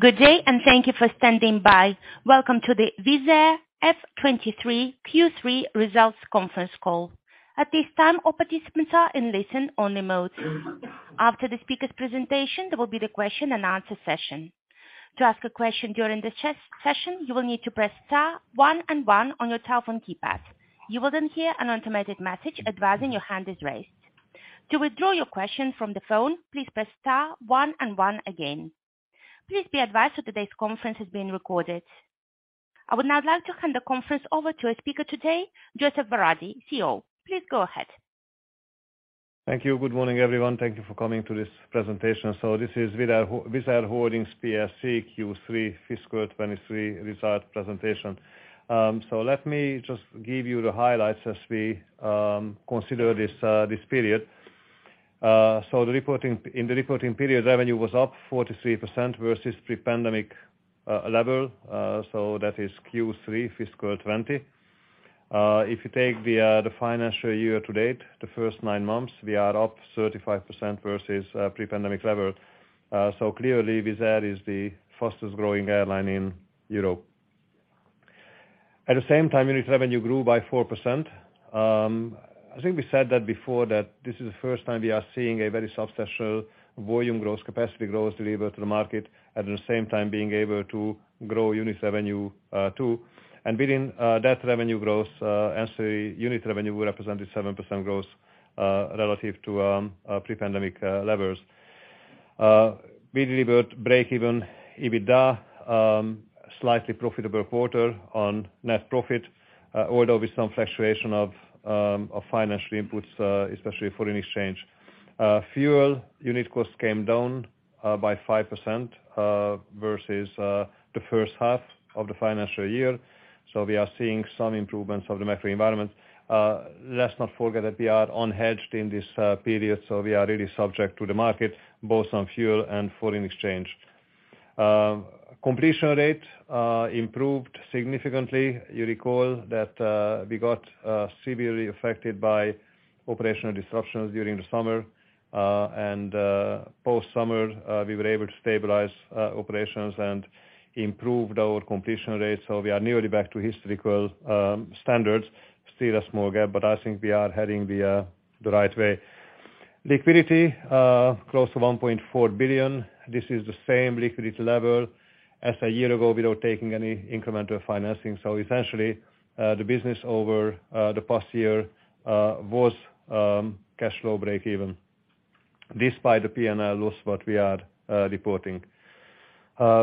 Good day, and thank you for standing by. Welcome to the Wizz Air F 2023 Q3 Results Conference Call. At this time, all participants are in listen only mode. After the speaker's presentation, there will be the question and answer session. To ask a question during the session, you will need to press star one and one on your telephone keypad. You will then hear an automated message advising your hand is raised. To withdraw your question from the phone, please press star one and one again. Please be advised that today's conference is being recorded. I would now like to hand the conference over to our speaker today, József Váradi, CEO. Please go ahead. Thank you. Good morning, everyone. Thank you for coming to this presentation. This is Wizz Air, Wizz Air Holdings PLC Q3 fiscal 2023 results presentation. Let me just give you the highlights as we consider this period. In the reporting period, revenue was up 43% versus pre-pandemic level. That is Q3 fiscal 2020. If you take the financial year to date, the first nine months, we are up 35% versus pre-pandemic level. Clearly Wizz Air is the fastest growing airline in Europe. At the same time, unit revenue grew by 4%. I think we said that before that this is the first time we are seeing a very substantial volume growth, capacity growth delivered to the market, at the same time being able to grow unit revenue too. Within that revenue growth, actually unit revenue represented 7% growth relative to pre-pandemic levels. We delivered break even EBITDA, slightly profitable quarter on net profit, although with some fluctuation of financial inputs, especially foreign exchange. Fuel unit costs came down by 5% versus the H1 of the financial year. We are seeing some improvements of the macro environment. Let's not forget that we are unhedged in this period, so we are really subject to the market, both on fuel and foreign exchange. Completion rate improved significantly. You recall that, we got severely affected by operational disruptions during the summer. Post-summer, we were able to stabilize operations and improved our completion rate. We are nearly back to historical standards. Still a small gap, but I think we are heading the right way. Liquidity, close to 1.4 billion. This is the same liquidity level as a year ago without taking any incremental financing. Essentially, the business over the past year, was cashflow break even despite the P&L loss what we are reporting.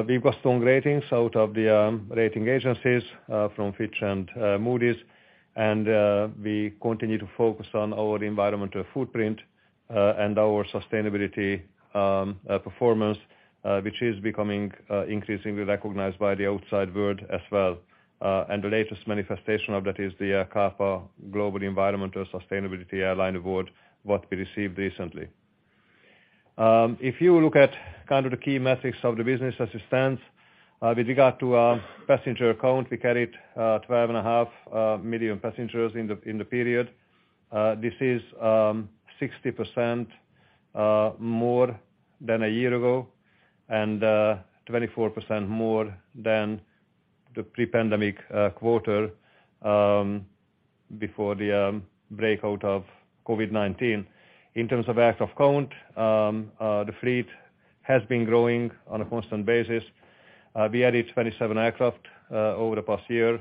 We've got strong ratings out of the rating agencies, from Fitch and Moody's, and we continue to focus on our environmental footprint and our sustainability performance, which is becoming increasingly recognized by the outside world as well. The latest manifestation of that is the CAPA Global Environmental Sustainability Airline Award, what we received recently. If you look at kind of the key metrics of the business as it stands, with regard to passenger count, we carried 12.5 million passengers in the period. This is 60% more than a year ago and 24% more than the pre-pandemic quarter before the breakout of COVID-19. In terms of aircraft count, the fleet has been growing on a constant basis. We added 27 aircraft over the past year,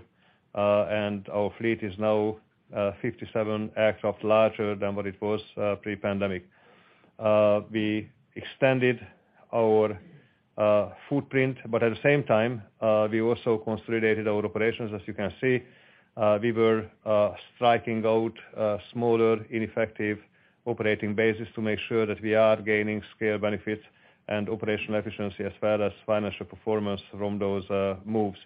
and our fleet is now 57 aircraft larger than what it was pre-pandemic. We extended our footprint, but at the same time, we also consolidated our operations. As you can see, we were striking out smaller, ineffective operating bases to make sure that we are gaining scale benefits and operational efficiency as well as financial performance from those moves.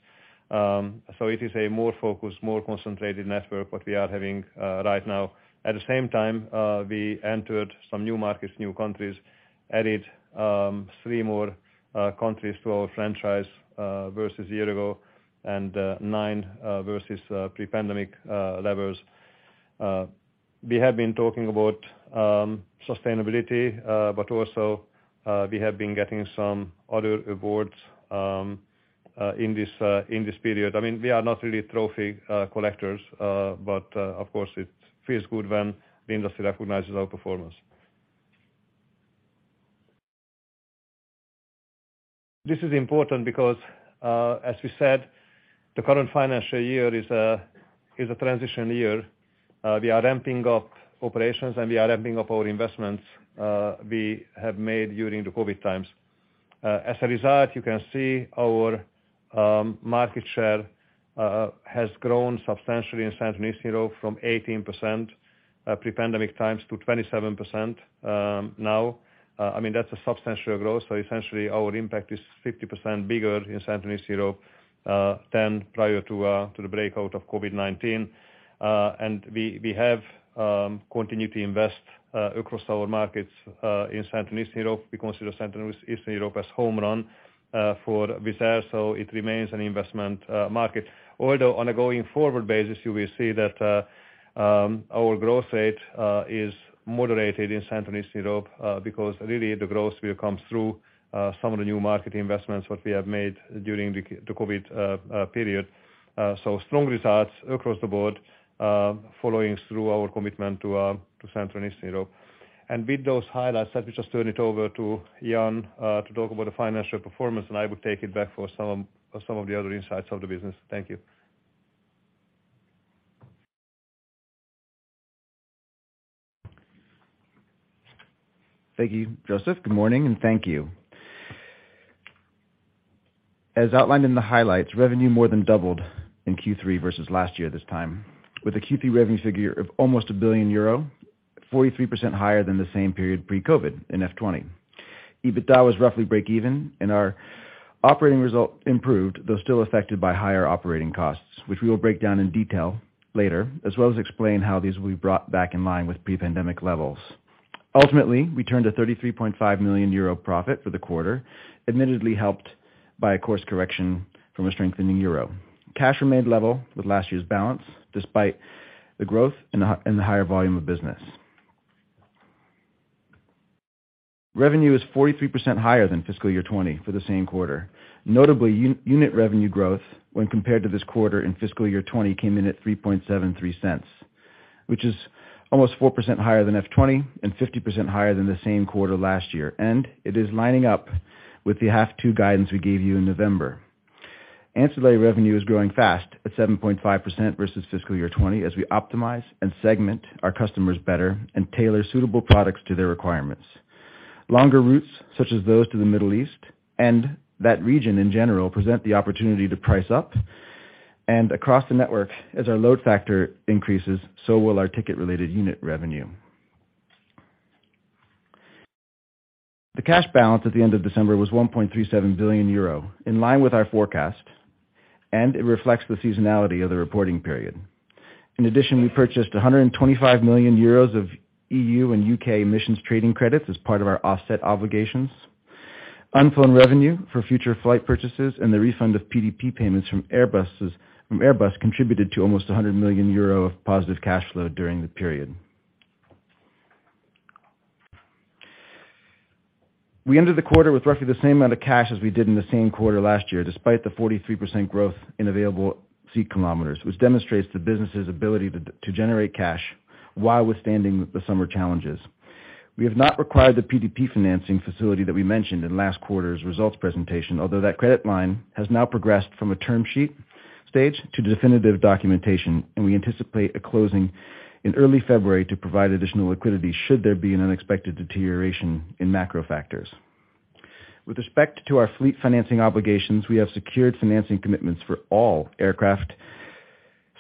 It is a more focused, more concentrated network what we are having right now. At the same time, we entered some new markets, new countries, added three more countries to our franchise versus a year ago and nine versus pre-pandemic levels. We have been talking about sustainability, but also, we have been getting some other awards in this period. I mean, we are not really trophy collectors, but of course it feels good when the industry recognizes our performance. This is important because, as we said, the current financial year is a transition year. We are ramping up operations, and we are ramping up our investments we have made during the COVID-19 times. As a result, you can see our market share has grown substantially in Central and Eastern Europe from 18% pre-pandemic times to 27% now. I mean, that's a substantial growth. Essentially our impact is 50% bigger in Central and Eastern Europe than prior to the breakout of COVID-19. We have continued to invest across our markets in Central and Eastern Europe. We consider Central and Eastern Europe as home run for Wizz Air, so it remains an investment market. On a going forward basis, you will see that our growth rate is moderated in Central and Eastern Europe, because really the growth will come through some of the new market investments what we have made during the COVID period. Strong results across the board, following through our commitment to Central and Eastern Europe. With those highlights, let me just turn it over to Ian to talk about the financial performance, and I will take it back for some of the other insights of the business. Thank you. Thank you, József. Good morning, and thank you. As outlined in the highlights, revenue more than doubled in Q3 versus last year this time, with a Q3 revenue figure of almost 1 billion euro, 43% higher than the same period pre-COVID in F 2020. EBITDA was roughly break even. Our operating result improved, though still affected by higher operating costs, which we will break down in detail later, as well as explain how these will be brought back in line with pre-pandemic levels. Ultimately, we turned a 33.5 million euro profit for the quarter, admittedly helped by a course correction from a strengthening euro. Cash remained level with last year's balance despite the growth and the higher volume of business. Revenue is 43% higher than fiscal year 2020 for the same quarter. Notably, unit revenue growth, when compared to this quarter in fiscal year 2020, came in at 0.0373, which is almost 4% higher than F 2020 and 50% higher than the same quarter last year. It is lining up with the half two guidance we gave you in November. Ancillary revenue is growing fast at 7.5% versus fiscal year 2020 as we optimize and segment our customers better and tailor suitable products to their requirements. Longer routes, such as those to the Middle East and that region in general, present the opportunity to price up. Across the network, as our load factor increases, so will our ticket-related unit revenue. The cash balance at the end of December was 1.37 billion euro, in line with our forecast, and it reflects the seasonality of the reporting period. We purchased 125 million euros of EU and UK Emissions Trading Scheme as part of our offset obligations. Unflown revenue for future flight purchases and the refund of PDP payments from Airbus contributed to almost 100 million euro of positive cash flow during the period. We ended the quarter with roughly the same amount of cash as we did in the same quarter last year, despite the 43% growth in Available Seat Kilometers, which demonstrates the business's ability to generate cash while withstanding the summer challenges. We have not required the PDP financing facility that we mentioned in last quarter's results presentation, although that credit line has now progressed from a term sheet stage to definitive documentation. We anticipate a closing in early February to provide additional liquidity should there be an unexpected deterioration in macro factors. With respect to our fleet financing obligations, we have secured financing commitments for all aircraft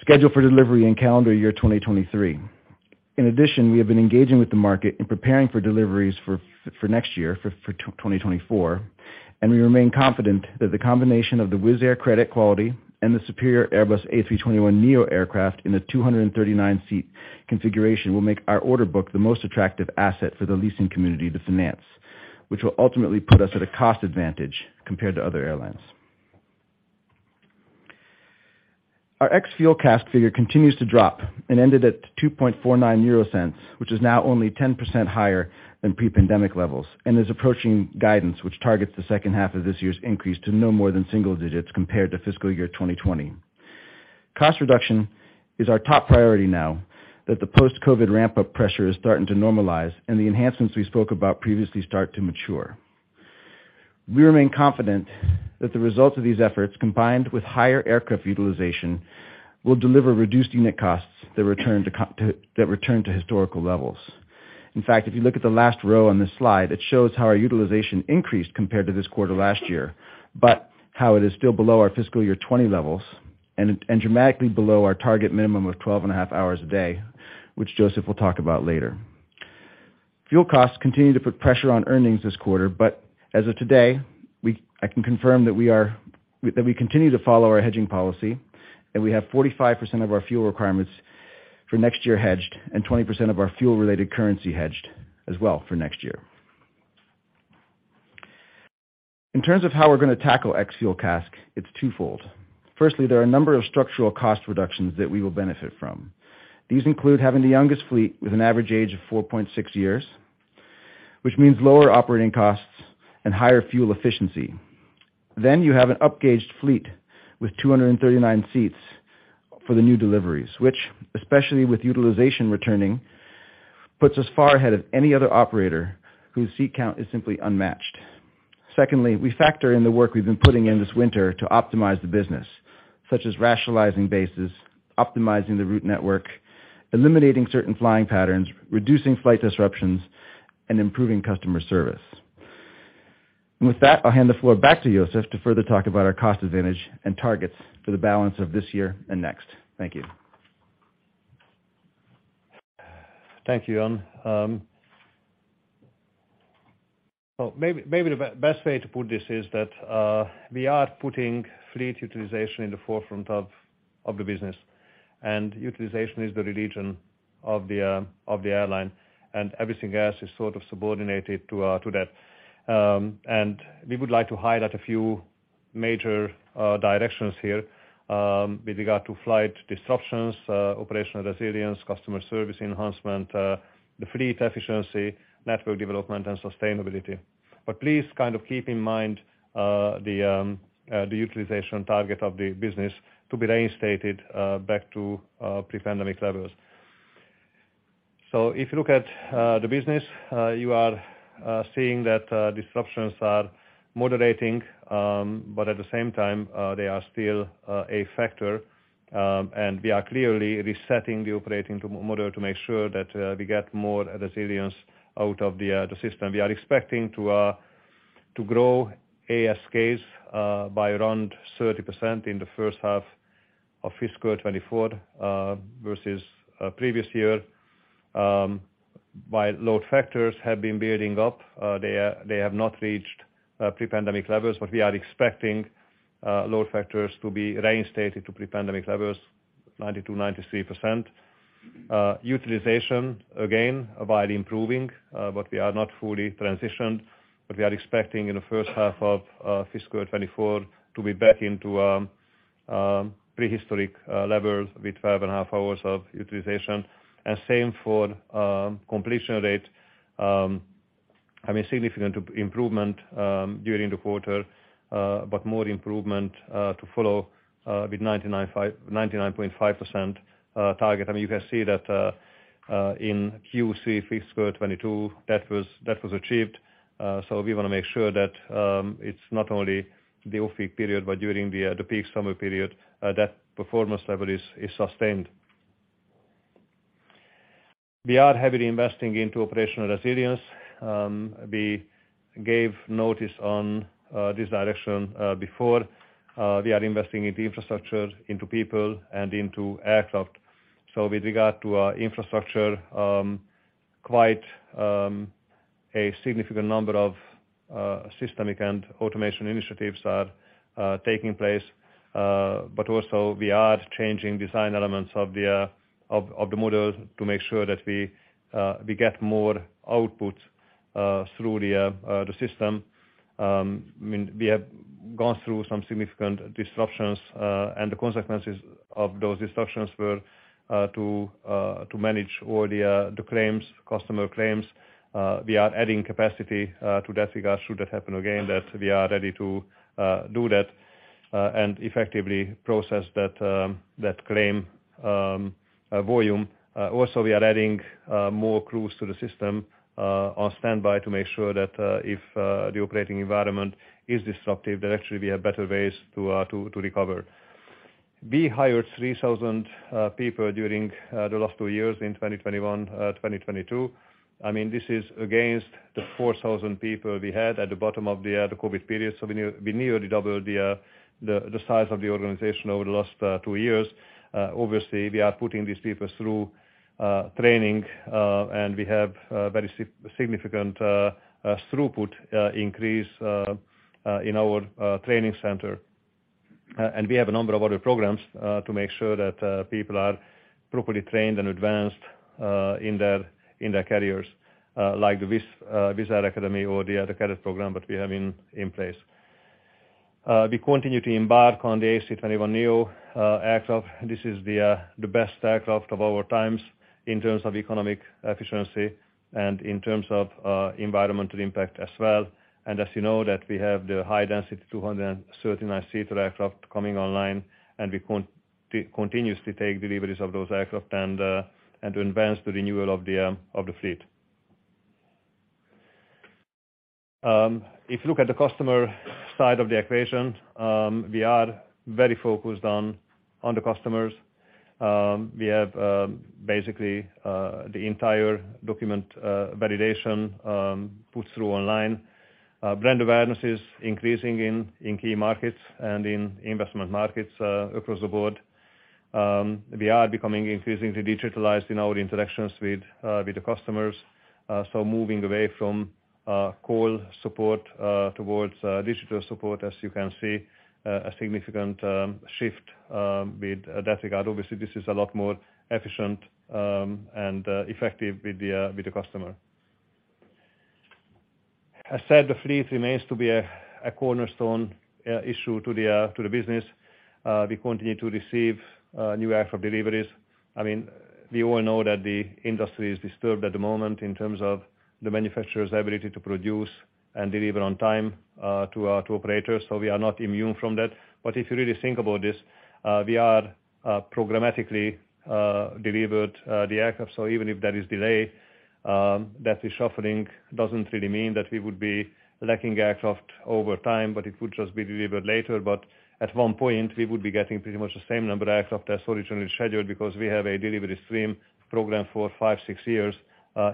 scheduled for delivery in calendar year 2023. In addition, we have been engaging with the market in preparing for deliveries for next year, for 2024, and we remain confident that the combination of the Wizz Air credit quality and the superior Airbus A321neo aircraft in a 239 seat configuration will make our order book the most attractive asset for the leasing community to finance, which will ultimately put us at a cost advantage compared to other airlines. Our ex-fuel CASK figure continues to drop and ended at 0.0249, which is now only 10% higher than pre-pandemic levels and is approaching guidance, which targets the H2 of this year's increase to no more than single digits compared to fiscal year 2020. Cost reduction is our top priority now that the post-COVID ramp-up pressure is starting to normalize and the enhancements we spoke about previously start to mature. We remain confident that the results of these efforts, combined with higher aircraft utilization, will deliver reduced unit costs that return to historical levels. In fact, if you look at the last row on this slide, it shows how our utilization increased compared to this quarter last year, but how it is still below our fiscal year 2020 levels and dramatically below our target minimum of 12.5 hours a day, which József Váradi will talk about later. Fuel costs continue to put pressure on earnings this quarter. As of today, I can confirm that we are, that we continue to follow our hedging policy, and we have 45% of our fuel requirements for next year hedged and 20% of our fuel-related currency hedged as well for next year. In terms of how we're going to tackle ex-fuel CASK, it's twofold. Firstly, there are a number of structural cost reductions that we will benefit from. These include having the youngest fleet with an average age of 4.6 years, which means lower operating costs and higher fuel efficiency. You have an upgauged fleet with 239 seats for the new deliveries, which, especially with utilization returning, puts us far ahead of any other operator whose seat count is simply unmatched. Secondly, we factor in the work we've been putting in this winter to optimize the business, such as rationalizing bases, optimizing the route network, eliminating certain flying patterns, reducing flight disruptions, and improving customer service. With that, I'll hand the floor back to József to further talk about our cost advantage and targets for the balance of this year and next. Thank you. Thank you, Ian. Maybe, maybe the best way to put this is that we are putting fleet utilization in the forefront of the business, utilization is the religion of the airline, and everything else is sort of subordinated to that. We would like to highlight a few major directions here with regard to flight disruptions, operational resilience, customer service enhancement, the fleet efficiency, network development, and sustainability. Please kind of keep in mind the utilization target of the business to be reinstated back to pre-pandemic levels. If you look at the business, you are seeing that disruptions are moderating, but at the same time, they are still a factor. We are clearly resetting the operating model to make sure that we get more resilience out of the system. We are expecting to grow ASKs by around 30% in the H1 of fiscal 2024 versus previous year. While load factors have been building up, they have not reached pre-pandemic levels, we are expecting load factors to be reinstated to pre-pandemic levels 90%-93%. Utilization again, while improving, we are not fully transitioned, we are expecting in the H1 of fiscal 2024 to be back into pre-historic levels with 5.5 hours of utilization. Same for completion rate, having significant improvement during the quarter, but more improvement to follow with 99.5%, 99.5% target. I mean you can see that in Q3 fiscal 2022 that was achieved. We wanna make sure that it's not only the off-peak period, but during the peak summer period, that performance level is sustained. We are heavily investing into operational resilience. We gave notice on this direction before. We are investing into infrastructure, into people, and into aircraft. With regard to infrastructure, quite a significant number of systemic and automation initiatives are taking place. Also we are changing design elements of the model to make sure that we get more output through the system. I mean we have gone through some significant disruptions and the consequences of those disruptions were to manage all the claims, customer claims. We are adding capacity to that regard should that happen again that we are ready to do that and effectively process that claim volume. We are adding more crews to the system on standby to make sure that if the operating environment is disruptive, that actually we have better ways to recover. We hired 3,000 people during the last two years in 2021, 2022. I mean, this is against the 4,000 people we had at the bottom of the COVID period, we nearly doubled the size of the organization over the last two years. Obviously we are putting these people through training, and we have very significant throughput increase in our training center. We have a number of other programs to make sure that people are properly trained and advanced in their careers, like the Wizz Air Academy or the other career program that we have in place. We continue to embark on the A321neo aircraft. This is the best aircraft of our times in terms of economic efficiency and in terms of environmental impact as well. As you know that we have the high density 239-seater aircraft coming online, and we continuously take deliveries of those aircraft and to advance the renewal of the fleet. If you look at the customer side of the equation, we are very focused on the customers. We have basically the entire document validation put through online. Brand awareness is increasing in key markets and in investment markets across the board. We are becoming increasingly digitalized in our interactions with the customers. So moving away from call support towards digital support, as you can see a significant shift with that regard. Obviously this is a lot more efficient and effective with the customer. As said, the fleet remains to be a cornerstone issue to the business. We continue to receive new aircraft deliveries. I mean, we all know that the industry is disturbed at the moment in terms of the manufacturer's ability to produce and deliver on time to operators. We are not immune from that. If you really think about this, we are programmatically delivered the aircraft. Even if there is delay, that is suffering doesn't really mean that we would be lacking aircraft over time, but it would just be delivered later. At one point, we would be getting pretty much the same number aircraft as originally scheduled because we have a delivery stream program for five, six years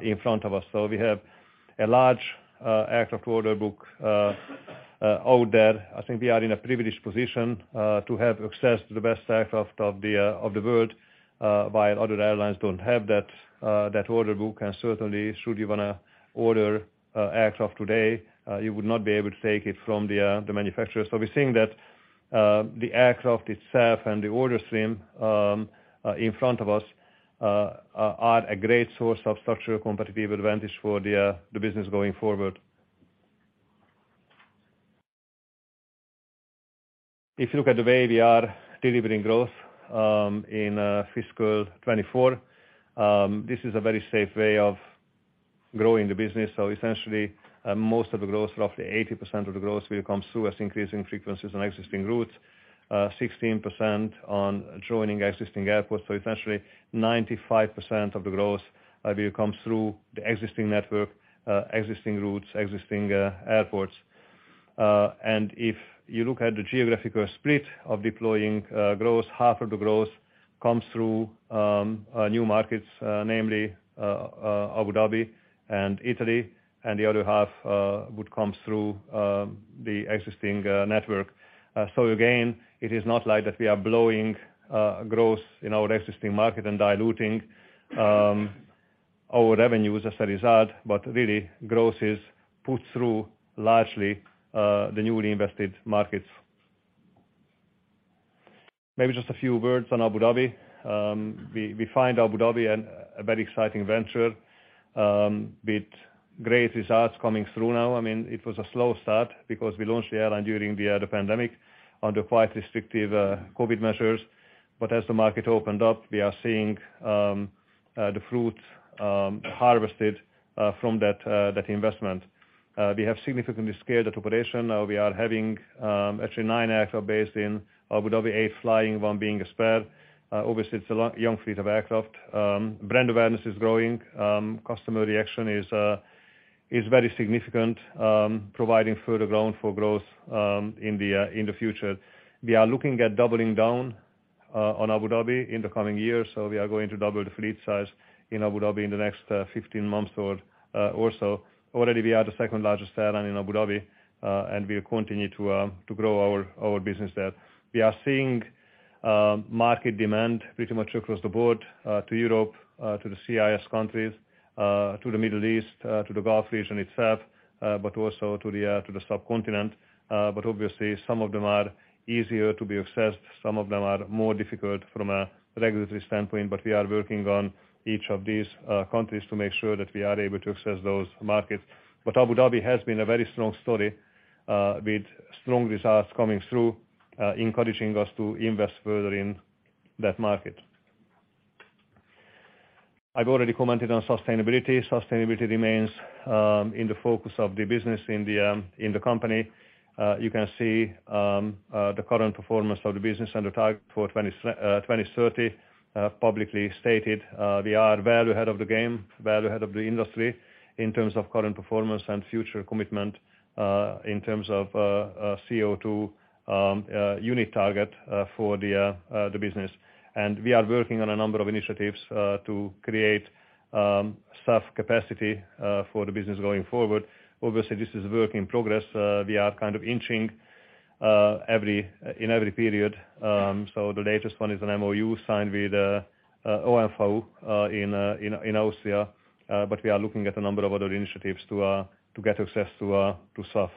in front of us. We have a large aircraft order book out there. I think we are in a privileged position to have access to the best aircraft of the world while other airlines don't have that order book. Certainly should you wanna order aircraft today, you would not be able to take it from the manufacturer. We're seeing that the aircraft itself and the order stream in front of us are a great source of structural competitive advantage for the business going forward. If you look at the way we are delivering growth in fiscal 2024, this is a very safe way of growing the business. Essentially, most of the growth, roughly 80% of the growth will come through as increasing frequencies on existing routes, 16% on joining existing airports. Essentially 95% of the growth will come through the existing network, existing routes, existing airports. And if you look at the geographical split of deploying growth, half of the growth comes through new markets, namely Abu Dhabi and Italy, and the other half would come through the existing network. Again, it is not like that we are blowing growth in our existing market and diluting our revenues as a result, but really growth is put through largely the newly invested markets. Maybe just a few words on Abu Dhabi. We find Abu Dhabi a very exciting venture, with great results coming through now. I mean, it was a slow start because we launched the airline during the pandemic under quite restrictive COVID measures. As the market opened up, we are seeing the fruit harvested from that investment. We have significantly scaled that operation. Now we are having actually nine aircraft based in Abu Dhabi, eight flying, one being a spare. Obviously it's a young fleet of aircraft. Brand awareness is growing. Customer reaction is very significant, providing further ground for growth in the future. We are looking at doubling down on Abu Dhabi in the coming years. We are going to double the fleet size in Abu Dhabi in the next 15 months or so. Already we are the second largest airline in Abu Dhabi, and we'll continue to grow our business there. We are seeing market demand pretty much across the board, to Europe, to the CIS countries, to the Middle East, to the Gulf region itself, but also to the sub-continent. Obviously some of them are easier to be accessed, some of them are more difficult from a regulatory standpoint. We are working on each of these countries to make sure that we are able to access those markets. Abu Dhabi has been a very strong story, with strong results coming through, encouraging us to invest further in that market. I've already commented on sustainability. Sustainability remains in the focus of the business in the company. You can see the current performance of the business and the target for 2030, publicly stated. We are well ahead of the game, well ahead of the industry in terms of current performance and future commitment, in terms of CO2 unit target, for the business. We are working on a number of initiatives, to create staff capacity, for the business going forward. Obviously, this is a work in progress. We are kind of inching every, in every period. The latest one is an MOU signed with OMV in Austria. We are looking at a number of other initiatives to get access to staff.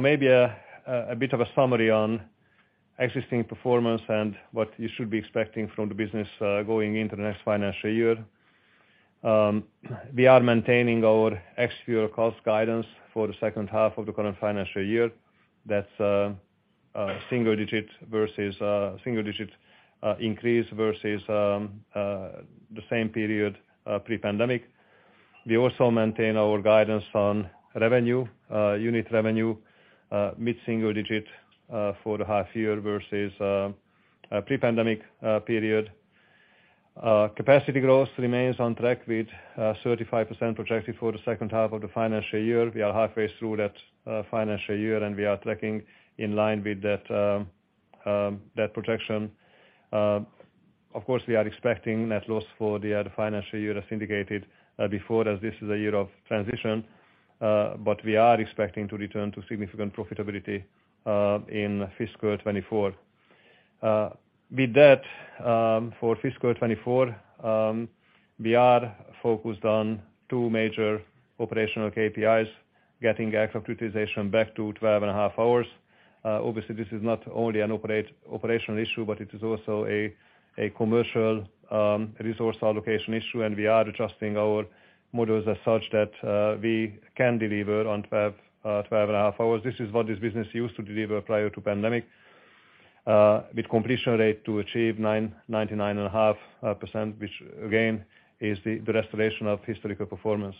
Maybe a bit of a summary on existing performance and what you should be expecting from the business going into the next financial year. We are maintaining our ex-fuel cost guidance for the H2 of the current financial year. That's a single digit versus single digit increase versus the same period pre-pandemic. We also maintain our guidance on revenue, unit revenue, mid-single digit, for the half year versus pre-pandemic period. Capacity growth remains on track with 35% projected for the H2 of the financial year. We are halfway through that financial year, and we are tracking in line with that projection. Of course, we are expecting net loss for the financial year as indicated before, as this is a year of transition. We are expecting to return to significant profitability in fiscal 2024. With that, for fiscal 2024, we are focused on two major operational KPIs, getting aircraft utilization back to 12.5 hours. Obviously this is not only an operational issue, but it is also a commercial resource allocation issue, we are adjusting our models as such that we can deliver on 12.5 hours. This is what this business used to deliver prior to pandemic. With completion rate to achieve 99.5%, which again is the restoration of historical performance.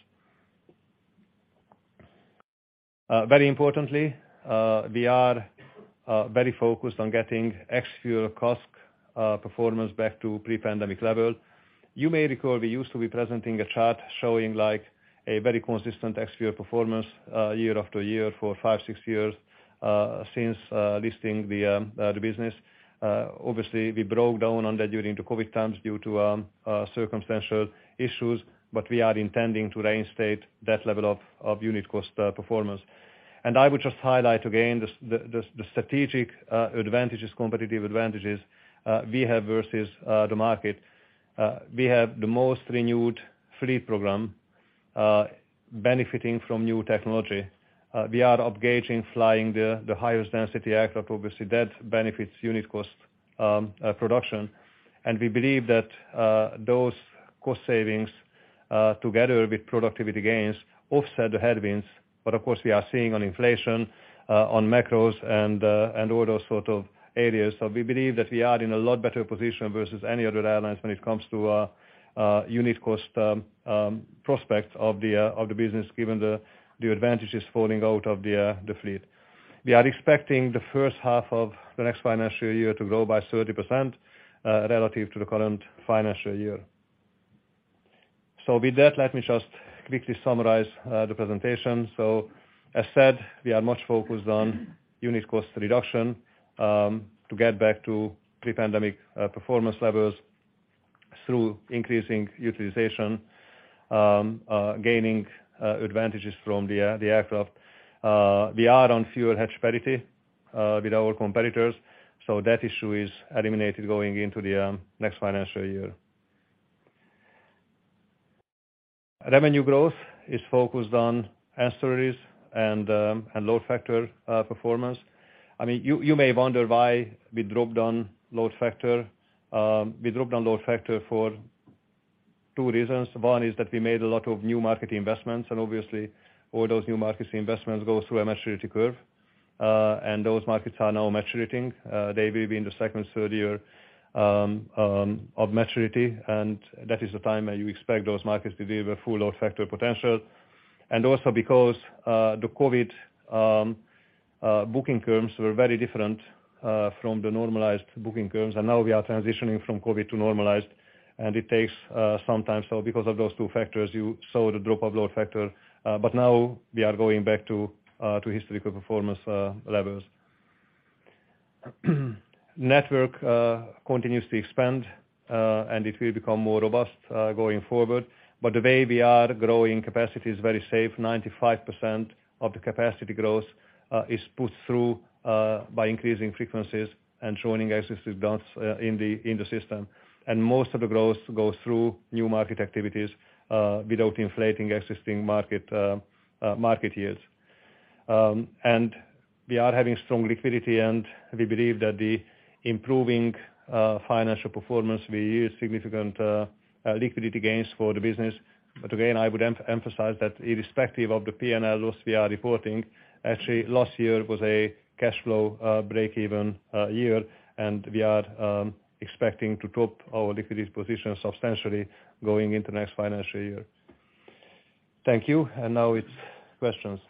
Very importantly, we are very focused on getting ex-fuel cost performance back to pre-pandemic level. You may recall we used to be presenting a chart showing like a very consistent ex-fuel performance year after year for five, six years since listing the business. Obviously we broke down on that during the COVID times due to circumstantial issues. We are intending to reinstate that level of unit cost performance. I would just highlight again the strategic advantages, competitive advantages, we have versus the market. We have the most renewed fleet program benefiting from new technology. We are up gauging flying the highest density aircraft, obviously, that benefits unit cost production. We believe that those cost savings together with productivity gains, offset the headwinds. Of course, we are seeing on inflation, on macros and all those sort of areas. We believe that we are in a lot better position versus any other airlines when it comes to unit cost prospects of the business, given the advantages falling out of the fleet. We are expecting the H1 of the next financial year to grow by 30% relative to the current financial year. With that, let me just quickly summarize the presentation. As said, we are much focused on unit cost reduction to get back to pre-pandemic performance levels through increasing utilization, gaining advantages from the aircraft. We are on fuel hedge parity with our competitors, so that issue is eliminated going into the next financial year. Revenue growth is focused on ancillaries and load factor performance. I mean, you may wonder why we dropped on load factor. We dropped on load factor for two reasons. One is that we made a lot of new market investments, and obviously all those new markets investments go through a maturity curve. Those markets are now maturating. They will be in the second, third year of maturity, and that is the time that you expect those markets to deliver full load factor potential. Also because the COVID booking curves were very different from the normalized booking curves, and now we are transitioning from COVID to normalized, and it takes some time. Because of those two factors, you saw the drop of load factor. Now we are going back to historical performance levels. Network continues to expand, and it will become more robust going forward. The way we are growing capacity is very safe. 95% of the capacity growth is pushed through by increasing frequencies and joining existing dots in the system. Most of the growth goes through new market activities without inflating existing market market years. We are having strong liquidity, and we believe that the improving financial performance will yield significant liquidity gains for the business. Again, I would emphasize that irrespective of the P&L loss we are reporting, actually last year was a cash flow break even year, and we are expecting to top our liquidity position substantially going into next financial year. Thank you. Now it's questions.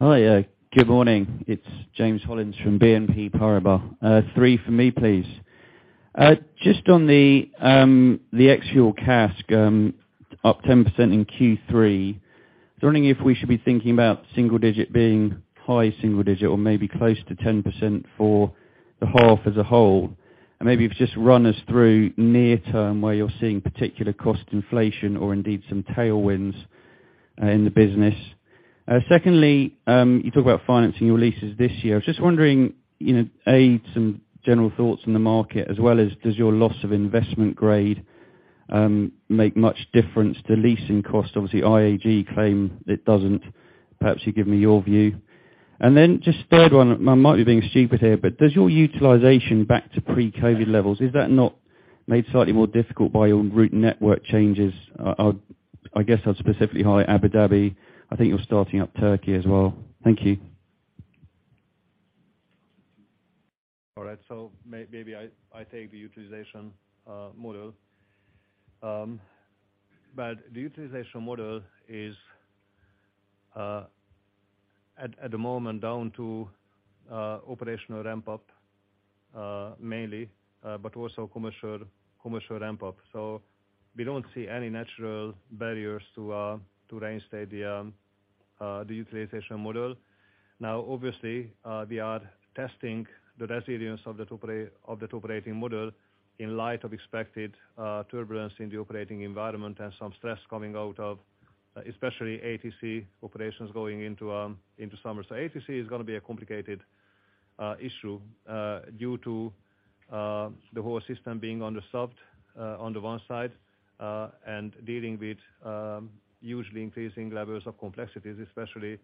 Hi. Good morning. It's James Hollins from BNP Paribas. Three for me, please. Just on the ex-fuel CASK, up 10% in Q3, just wondering if we should be thinking about single digit being high single digit or maybe close to 10% for the half as a whole. Maybe if you just run us through near term, where you're seeing particular cost inflation or indeed some tailwinds in the business. Secondly, you talk about financing your leases this year. I was just wondering, you know, some general thoughts on the market as well as does your loss of investment grade make much difference to leasing costs? Obviously, IAG claim it doesn't. Perhaps you give me your view. Just third one, I might be being stupid here, does your utilization back to pre-COVID levels, is that not made slightly more difficult by your route network changes? I guess I'd specifically highlight Abu Dhabi. I think you're starting up Turkey as well. Thank you. All right. Maybe I take the utilization model. The utilization model is at the moment down to operational ramp up mainly, but also commercial ramp up. We don't see any natural barriers to reinstate the utilization model. Obviously, we are testing the resilience of that operating model in light of expected turbulence in the operating environment and some stress coming out of, especially ATC operations going into summer. ATC is gonna be a complicated issue due to the whole system being underserved on the one side and dealing with hugely increasing levels of complexities, especially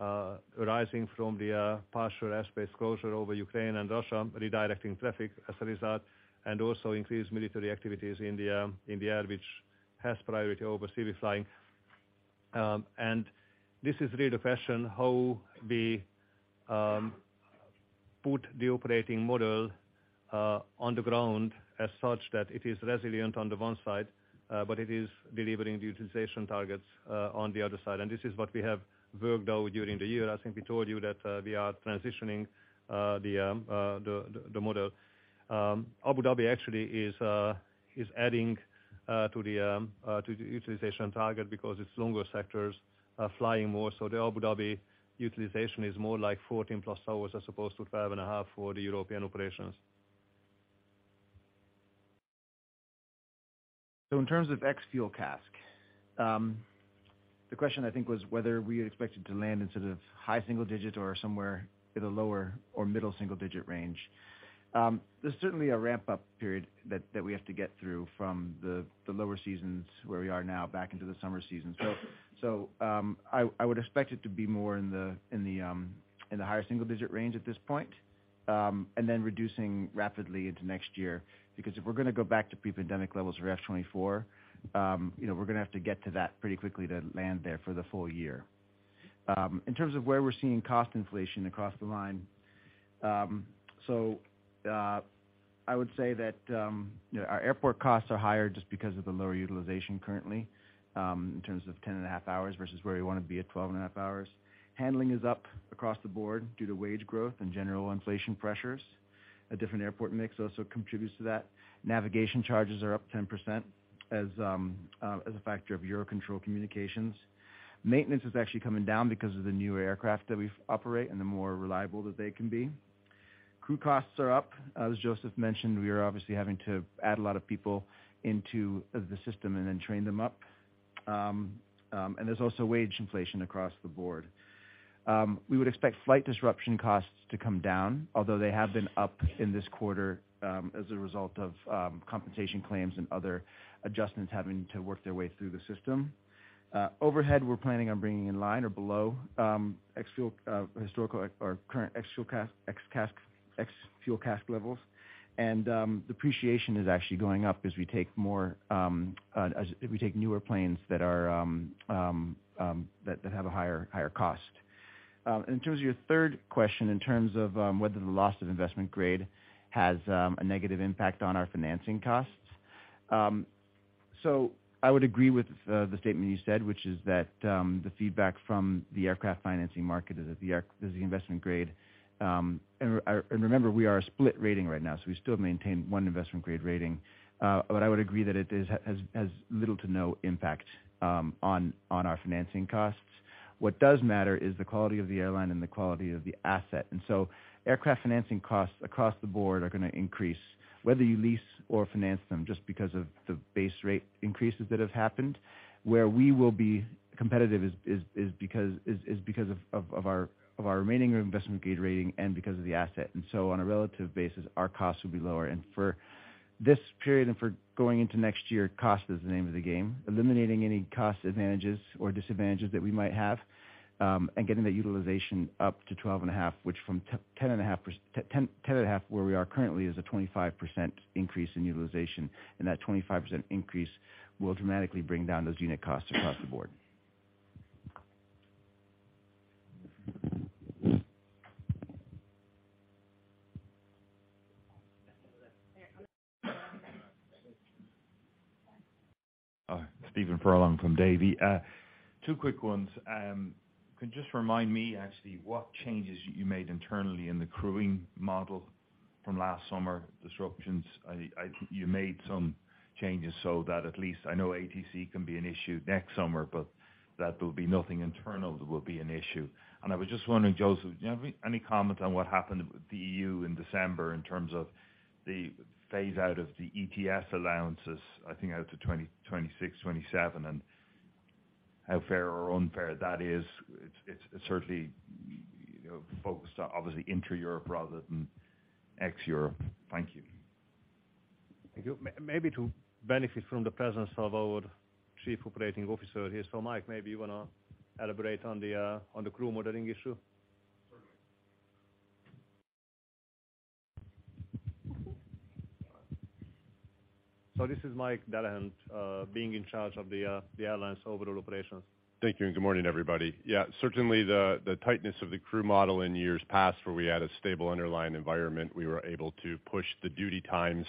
arising from the partial airspace closure over Ukraine and Russia, redirecting traffic as a result, and also increased military activities in the air, which has priority over civil flying. This is really the question, how we put the operating model on the ground as such that it is resilient on the one side, but it is delivering the utilization targets on the other side. This is what we have worked out during the year. I think we told you that we are transitioning the the model. Abu Dhabi actually is adding to the utilization target because its longer sectors are flying more. The Abu Dhabi utilization is more like 14+ hours as opposed to 12 and a half for the European operations. In terms of ex-fuel CASK, the question I think was whether we expected to land in sort of high single-digit or somewhere at a lower or middle single-digit range. There's certainly a ramp up period that we have to get through from the lower seasons where we are now back into the summer season. I would expect it to be more in the, in the, in the higher single-digit range at this point, and then reducing rapidly into next year. Because if we're gonna go back to pre-pandemic levels for F 2024, you know, we're gonna have to get to that pretty quickly to land there for the full year. In terms of where we're seeing cost inflation across the line, I would say that our airport costs are higher just because of the lower utilization currently, in terms of 10.5 hours versus where we wanna be at 12.5 hours. Handling is up across the board due to wage growth and general inflation pressures. A different airport mix also contributes to that. Navigation charges are up 10% as a factor of Eurocontrol communications. Maintenance is actually coming down because of the newer aircraft that we operate and the more reliable that they can be. Crew costs are up. As József mentioned, we are obviously having to add a lot of people into the system and then train them up. There's also wage inflation across the board. We would expect slight disruption costs to come down, although they have been up in this quarter, as a result of compensation claims and other adjustments having to work their way through the system. Overhead, we're planning on bringing in line or below ex-fuel historical or current ex-fuel CASK levels. Depreciation is actually going up as we take more as we take newer planes that have a higher cost. In terms of your third question, in terms of whether the loss of investment grade has a negative impact on our financing costs. I would agree with the statement you said, which is that the feedback from the aircraft financing market is that the investment grade, and remember, we are a split rating right now, so we still maintain one investment grade rating. I would agree that it has little to no impact on our financing costs. What does matter is the quality of the airline and the quality of the asset. Aircraft financing costs across the board are going to increase, whether you lease or finance them, just because of the base rate increases that have happened. Where we will be competitive is because of our remaining investment grade rating and because of the asset. On a relative basis, our costs will be lower. For this period and for going into next year, cost is the name of the game. Eliminating any cost advantages or disadvantages that we might have, and getting that utilization up to 12.5, which from 10.5, where we are currently, is a 25% increase in utilization. That 25% increase will dramatically bring down those unit costs across the board. Stephen Furlong from Davy. Two quick ones. Can you just remind me actually what changes you made internally in the crewing model from last summer disruptions? You made some changes so that at least I know ATC can be an issue next summer, but that there'll be nothing internal that will be an issue. I was just wondering, József, do you have any comment on what happened with the EU in December in terms of the phase out of the ETS allowances, I think, out to 2026, 2027, and how fair or unfair that is? It's certainly, you know, focused obviously intra Europe rather than ex-Europe. Thank you. Thank you. Maybe to benefit from the presence of our Chief Operating Officer here. Mike, maybe you wanna elaborate on the crew modeling issue? Certainly. This is Michael Delehant, being in charge of the airline's overall operations. Thank you. Good morning, everybody. Certainly the tightness of the crew model in years past where we had a stable underlying environment, we were able to push the duty times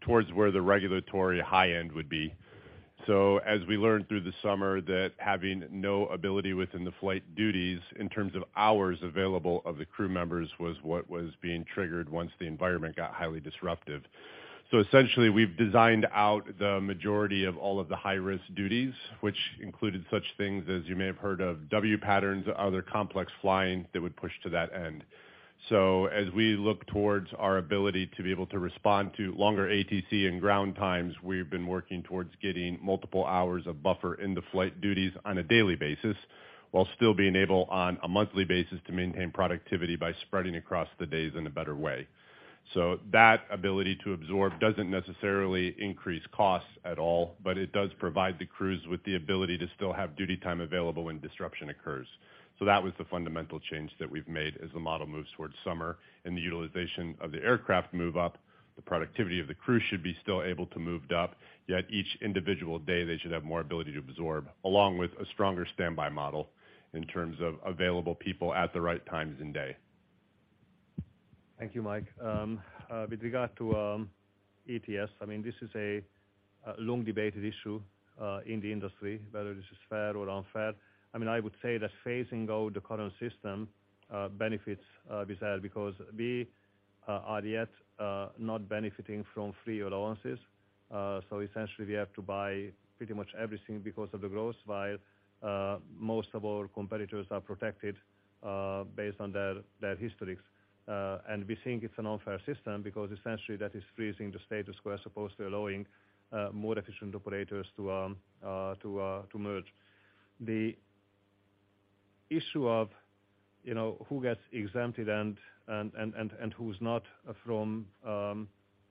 towards where the regulatory high end would be. As we learned through the summer that having no ability within the flight duties in terms of hours available of the crew members was what was being triggered once the environment got highly disruptive. Essentially we've designed out the majority of all of the high-risk duties, which included such things as you may have heard of W patterns, other complex flying that would push to that end. As we look towards our ability to be able to respond to longer ATC and ground times, we've been working towards getting multiple hours of buffer in the flight duties on a daily basis, while still being able on a monthly basis to maintain productivity by spreading across the days in a better way. That ability to absorb doesn't necessarily increase costs at all, but it does provide the crews with the ability to still have duty time available when disruption occurs. That was the fundamental change that we've made as the model moves towards summer and the utilization of the aircraft move up, the productivity of the crew should be still able to moved up, yet each individual day, they should have more ability to absorb along with a stronger standby model in terms of available people at the right times in day. Thank you, Mike. With regard to ETS, I mean, this is a long debated issue in the industry, whether this is fair or unfair. I mean, I would say that phasing out the current system benefits Wizz Air because we are yet not benefiting from free allowances. Essentially we have to buy pretty much everything because of the growth while most of our competitors are protected based on their historics. We think it's an unfair system because essentially that is freezing the status quo as opposed to allowing more efficient operators to merge. The issue of, you know, who gets exempted and who's not from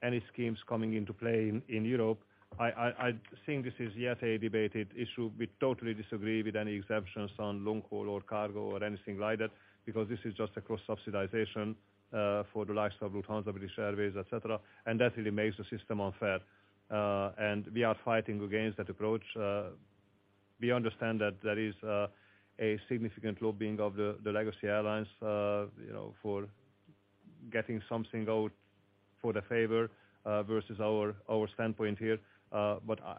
any schemes coming into play in Europe, I think this is yet a debated issue. We totally disagree with any exemptions on long-haul or cargo or anything like that, because this is just a cross-subsidization for the likes of Lufthansa, British Airways, et cetera, and that really makes the system unfair. We are fighting against that approach. We understand that there is a significant lobbying of the legacy airlines, you know, for getting something out for the favor versus our standpoint here. I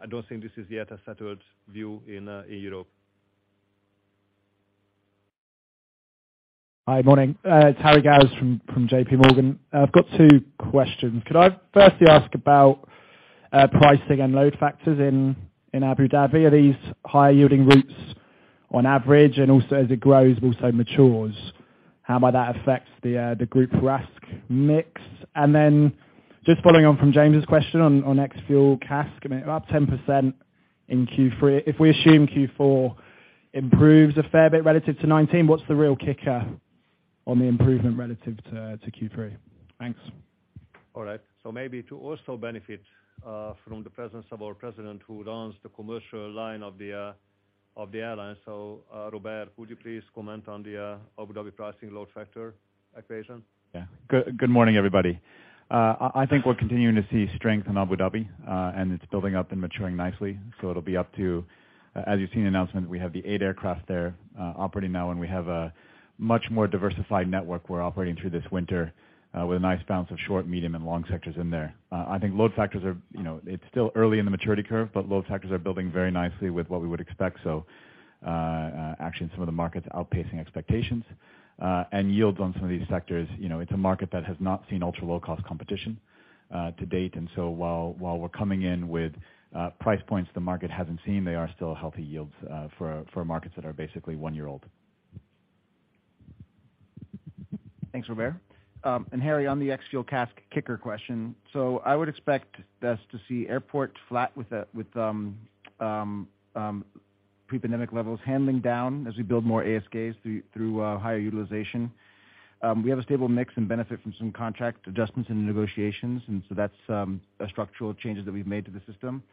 don't think this is yet a settled view in Europe. Hi. Morning. It's Harry Gowers from JPMorgan. I've got two questions. Could I firstly ask about pricing and load factors in Abu Dhabi? Are these higher-yielding routes on average, and also as it grows, also matures? How might that affect the group RASK mix? Then just following on from James' question on ex-fuel CASK and up 10% in Q3. If we assume Q4 improves a fair bit relative to 2019, what's the real kicker on the improvement relative to Q3? Thanks. All right. Maybe to also benefit from the presence of our President who runs the commercial line of the of the airline. Robert, would you please comment on the Abu Dhabi pricing load factor equation? Good morning, everybody. I think we're continuing to see strength in Abu Dhabi, and it's building up and maturing nicely. It'll be up to, as you've seen the announcement, we have the eight aircraft there, operating now, and we have a much more diversified network we're operating through this winter, with a nice balance of short, medium and long sectors in there. I think load factors are, you know, it's still early in the maturity curve, but load factors are building very nicely with what we would expect. Actually in some of the markets outpacing expectations. Yields on some of these sectors, you know, it's a market that has not seen ultra-low-cost competition, to date. While we're coming in with price points the market hasn't seen, they are still healthy yields for markets that are basically one year old. Thanks, Robert. Harry, on the ex-fuel CASK kicker question, I would expect us to see airport flat with pre-pandemic levels handling down as we build more ASKs through higher utilization. We have a stable mix and benefit from some contract adjustments and negotiations, that's a structural change that we've made to the system.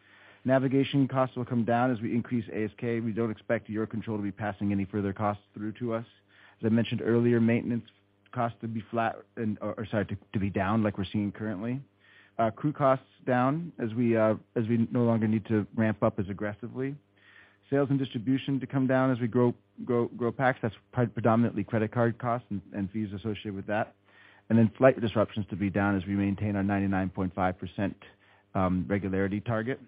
Navigation costs will come down as we increase ASK. We don't expect Eurocontrol to be passing any further costs through to us. As I mentioned earlier, maintenance costs to be flat or sorry, to be down like we're seeing currently. Crew costs down as we no longer need to ramp up as aggressively. Sales and distribution to come down as we grow PAX. That's predominantly credit card costs and fees associated with that. Flight disruptions to be down as we maintain our 99.5% regularity target.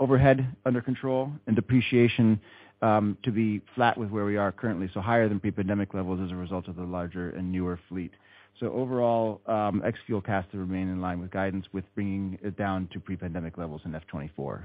Overhead under control and depreciation to be flat with where we are currently, so higher than pre-pandemic levels as a result of the larger and newer fleet. Overall, ex-fuel CASK to remain in line with guidance with bringing it down to pre-pandemic levels in F 2024.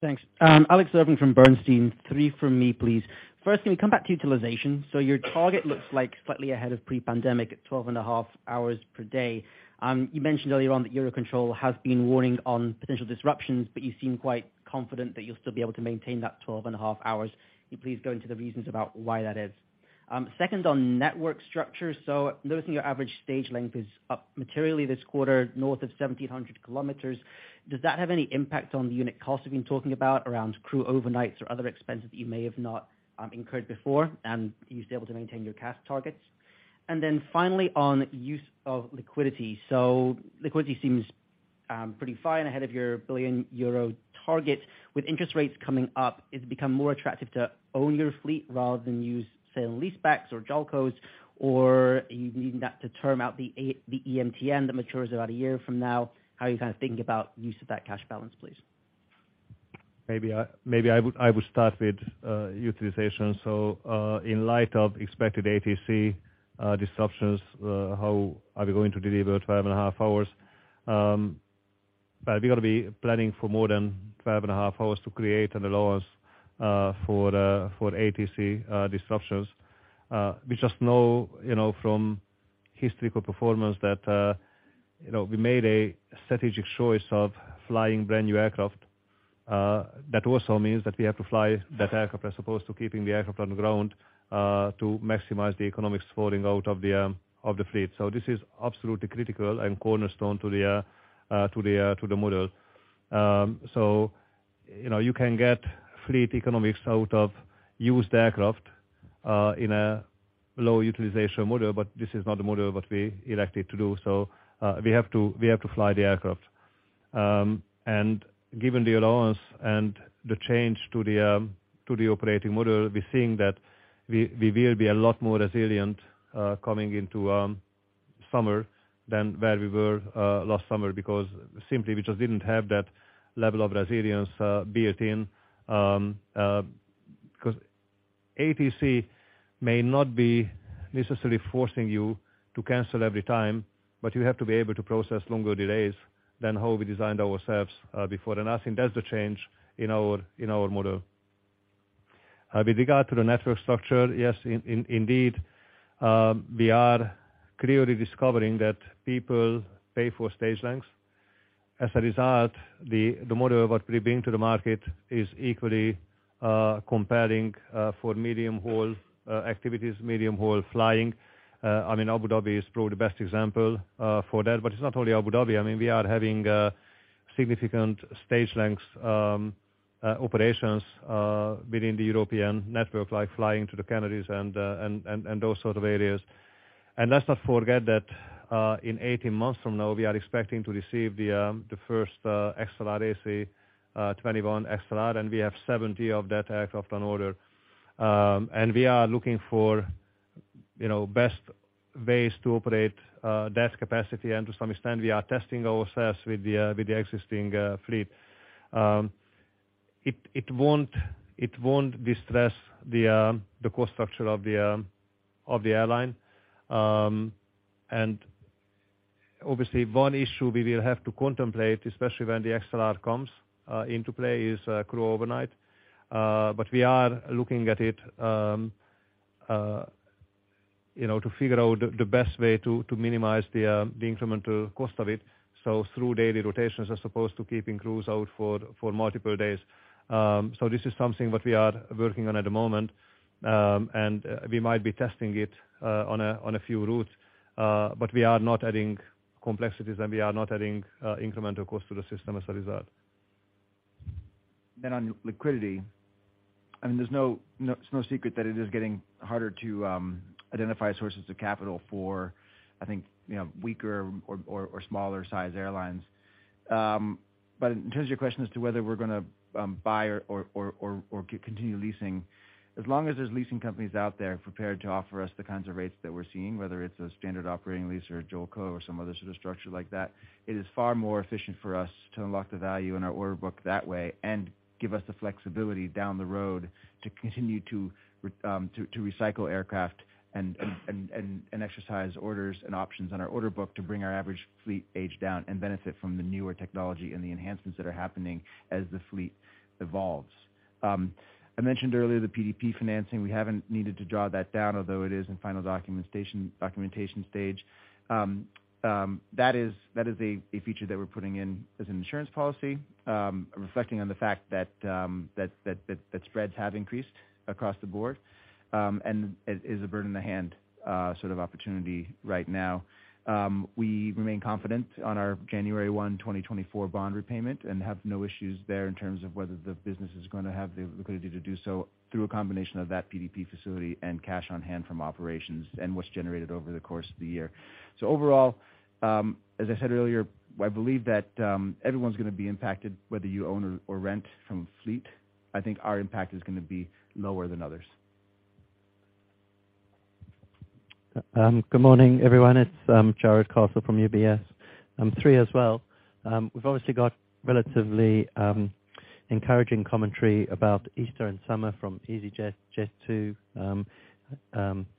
Thanks. Alex Irving from Bernstein. Three from me, please. First, can we come back to utilization? Your target looks like slightly ahead of pre-pandemic at 12 and a half hours per day. You mentioned earlier on that Eurocontrol has been warning on potential disruptions, but you seem quite confident that you'll still be able to maintain that 12 and a half hours. Can you please go into the reasons about why that is? Second on network structure. Noticing your average stage length is up materially this quarter, north of 1,700 km. Does that have any impact on the unit costs you've been talking about around crew overnights or other expenses that you may have not incurred before? Are you still able to maintain your CASK targets? Finally on use of liquidity. Liquidity seems pretty fine ahead of your 1 billion euro target. With interest rates coming up, has it become more attractive to own your fleet rather than use sale and lease backs or JOLCO? Are you needing that to term out the EMTN that matures about a year from now? How are you kind of thinking about use of that cash balance, please? Maybe I would start with utilization. In light of expected ATC disruptions, how are we going to deliver 12 and a half hours? We're gonna be planning for more than 12 and a half hours to create an allowance for ATC disruptions. We just know, you know, from historical performance that, you know, we made a strategic choice of flying brand-new aircraft. That also means that we have to fly that aircraft as opposed to keeping the aircraft on the ground to maximize the economics falling out of the fleet. This is absolutely critical and cornerstone to the model. You know, you can get fleet economics out of used aircraft, in a low utilization model, but this is not the model what we elected to do. We have to fly the aircraft. Given the allowance and the change to the operating model, we're seeing that we will be a lot more resilient, coming into summer than where we were last summer because simply we just didn't have that level of resilience built in. Because ATC may not be necessarily forcing you to cancel every time, but you have to be able to process longer delays than how we designed ourselves before. I think that's the change in our model. With regard to the network structure, yes, indeed, we are clearly discovering that people pay for stage lengths. As a result, the model what we bring to the market is equally compelling for medium-haul activities, medium-haul flying. I mean, Abu Dhabi is probably the best example for that. It's not only Abu Dhabi, I mean, we are having significant stage lengths operations within the European network, like flying to the Caribbean and those sort of areas. Let's not forget that in 18 months from now, we are expecting to receive the first A321XLR AC, 21 A321XLR, and we have 70 of that aircraft on order. We are looking for, you know, best ways to operate that capacity. To some extent, we are testing ourselves with the existing fleet. It, it won't, it won't distress the cost structure of the airline. Obviously one issue we will have to contemplate, especially when the A321XLR comes into play, is crew overnight. We are looking at it, you know, to figure out the best way to minimize the incremental cost of it, so through daily rotations as opposed to keeping crews out for multiple days. This is something that we are working on at the moment, and we might be testing it on a few routes. We are not adding complexities, and we are not adding incremental cost to the system as a result. On liquidity, I mean, it's no secret that it is getting harder to identify sources of capital for, I think, you know, weaker or continue leasing, as long as there's leasing companies out there prepared to offer us the kinds of rates that we're seeing, whether it's a standard operating lease or a JOLCO. Or some other sort of structure like that, it is far more efficient for us to unlock the value in our order book that way and give us the flexibility down the road to continue to recycle aircraft and exercise orders and options on our order book to bring our average fleet age down and benefit from the newer technology and the enhancements that are happening as the fleet evolves. I mentioned earlier the PDP financing. We haven't needed to draw that down, although it is in final documentation stage. That is a feature that we're putting in as an insurance policy, reflecting on the fact that spreads have increased across the board, and it is a bird in the hand sort of opportunity right now. We remain confident on our January 1, 2024 bond repayment and have no issues there in terms of whether the business is going to have the liquidity to do so through a combination of that PDP facility and cash on hand from operations and what's generated over the course of the year. Overall, as I said earlier, I believe that everyone's going to be impacted, whether you own or rent from fleet. I think our impact is going to be lower than others. Good morning, everyone. It's Jarrod Castle from UBS. I'm three as well. We've obviously got relatively encouraging commentary about Easter and summer from easyJet, Jet2. Do you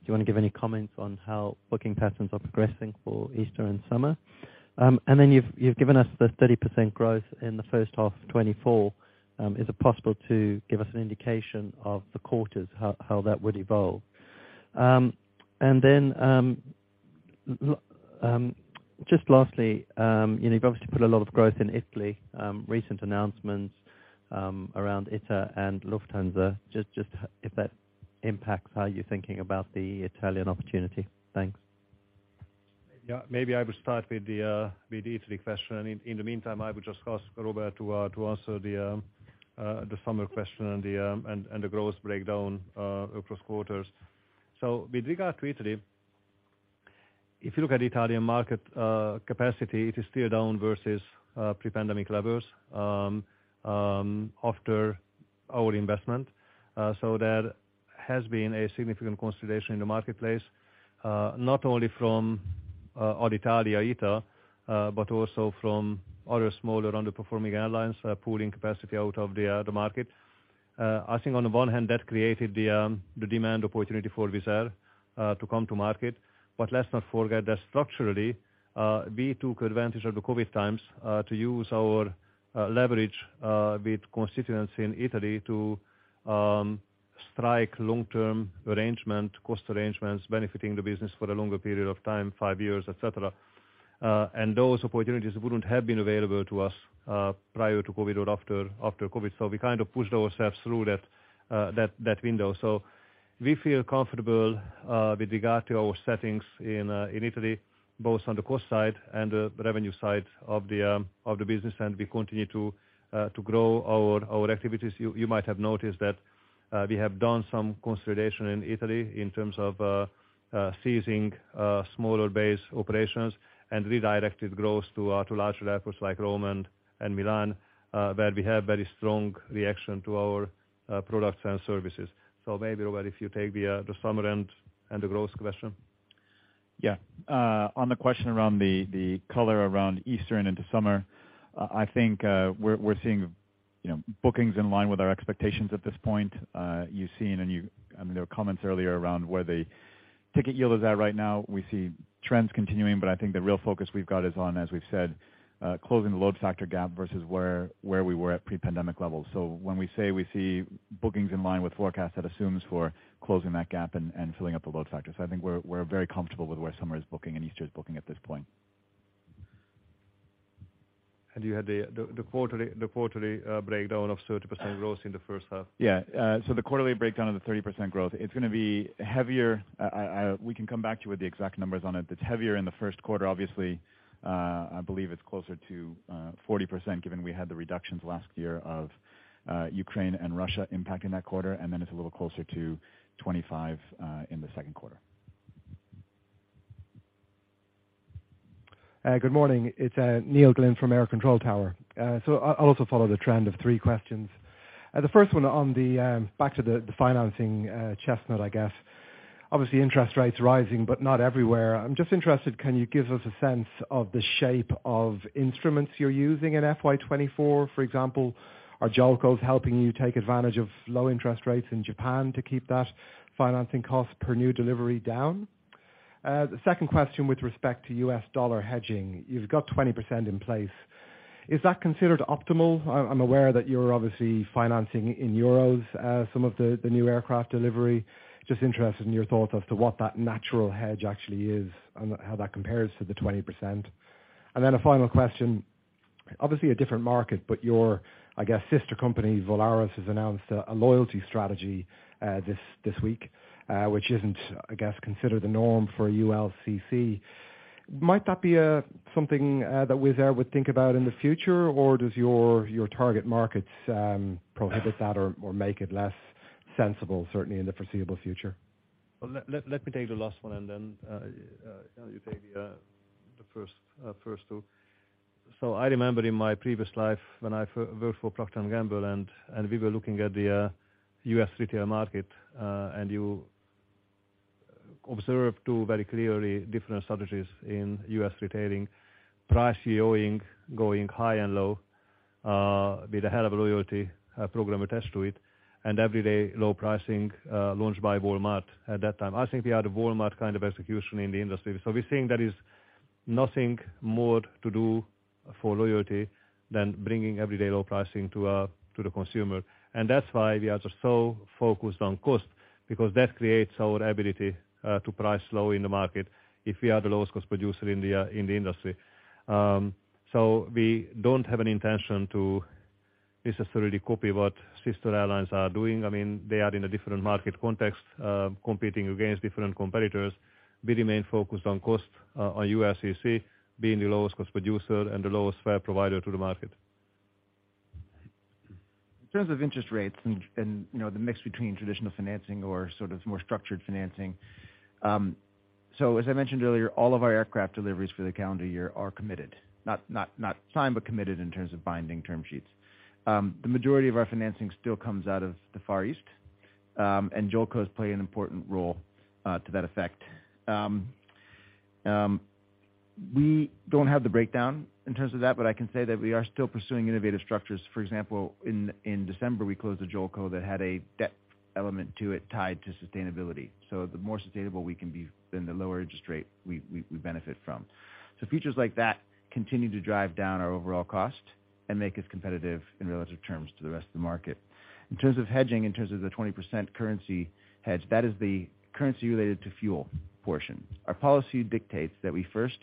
wanna give any comments on how booking patterns are progressing for Easter and summer? You've given us the 30% growth in the H1 of 2024. Is it possible to give us an indication of the quarters, how that would evolve? Lastly, you know, you've obviously put a lot of growth in Italy, recent announcements around ITA and Lufthansa, just if that impacts how you're thinking about the Italian opportunity. Thanks. Yeah, maybe I will start with the Italy question. In the meantime, I would just ask Robert to answer the summer question and the growth breakdown across quarters. With regard to Italy, if you look at Italian market capacity, it is still down versus pre-pandemic levels after our investment. There has been a significant consolidation in the marketplace, not only from Alitalia ITA, but also from other smaller underperforming airlines, pulling capacity out of the market. I think on the one hand, that created the demand opportunity for Wizz Air to come to market. Let's not forget that structurally, we took advantage of the COVID times, to use our leverage with constituency in Italy to strike long-term arrangement, cost arrangements benefiting the business for a longer period of time, five years, et cetera. Those opportunities wouldn't have been available to us, prior to COVID or after COVID. We kind of pushed ourselves through that window. We feel comfortable with regard to our settings in Italy, both on the cost side and the revenue side of the business, and we continue to grow our activities. You might have noticed that, we have done some consolidation in Italy in terms of, seizing, smaller base operations and redirected growth to, larger airports like Rome and Milan, where we have very strong reaction to our, products and services. Maybe, Robert, if you take the summer and the growth question. On the question around the color around Easter and into summer, I think, we're seeing, you know, bookings in line with our expectations at this point. you've seen and I mean, there were comments earlier around where the ticket yield is at right now. We see trends continuing, but I think the real focus we've got is on, as we've said, closing the load factor gap versus where we were at pre-pandemic levels. When we say we see bookings in line with forecast, that assumes we're closing that gap and filling up the load factor. I think we're very comfortable with where summer is booking and Easter is booking at this point. You had the quarterly breakdown of 30% growth in the H1. Yeah. The quarterly breakdown of the 30% growth, it's gonna be heavier. We can come back to you with the exact numbers on it. It's heavier in the first quarter, obviously. I believe it's closer to 40%, given we had the reductions last year of Ukraine and Russia impacting that quarter, and then it's a little closer to 25% in the 2Q. Good morning. It's Neil Glynn from Air Control Tower. I'll also follow the trend of three questions. The first one on the financing chestnut, I guess. Obviously, interest rates rising, not everywhere. I'm just interested, can you give us a sense of the shape of instruments you're using in FY 2024, for example? Are JOLCO helping you take advantage of low interest rates in Japan to keep that financing cost per new delivery down? The second question with respect to U.S. dollar hedging. You've got 20% in place. Is that considered optimal? I'm aware that you're obviously financing in euros, some of the new aircraft delivery. Just interested in your thoughts as to what that natural hedge actually is and how that compares to the 20%. A final question, obviously a different market, but your, I guess, sister company, Volaris, has announced a loyalty strategy this week, which isn't, I guess, considered the norm for a ULCC. Might that be something that Wizz Air would think about in the future? Or does your target markets prohibit that or make it less sensible, certainly in the foreseeable future? Well, let me take the last one and then you take the first two. I remember in my previous life when I worked for Procter & Gamble, and we were looking at the U.S. retail market, and you observe two very clearly different strategies in U.S. retailing: price going high and low with a hell of a loyalty program attached to it, and everyday low pricing launched by Walmart at that time. I think we are the Walmart kind of execution in the industry. We're seeing there is nothing more to do for loyalty than bringing everyday low pricing to the consumer. That's why we are so focused on cost, because that creates our ability to price low in the market if we are the lowest cost producer in the industry. We don't have an intention to necessarily copy what sister airlines are doing. I mean, they are in a different market context, competing against different competitors. We remain focused on cost, on CASK, being the lowest cost producer and the lowest fare provider to the market. In terms of interest rates and, you know, the mix between traditional financing or sort of more structured financing. As I mentioned earlier, all of our aircraft deliveries for the calendar year are committed, not signed, but committed in terms of binding term sheets. The majority of our financing still comes out of the Far East, and JOLCO play an important role to that effect. We don't have the breakdown in terms of that, but I can say that we are still pursuing innovative structures. For example, in December, we closed a JOLCO that had a debt element to it tied to sustainability. The more sustainable we can be, then the lower interest rate we benefit from. Features like that continue to drive down our overall cost and make us competitive in relative terms to the rest of the market. In terms of hedging, in terms of the 20% currency hedge, that is the currency related to fuel portion. Our policy dictates that we first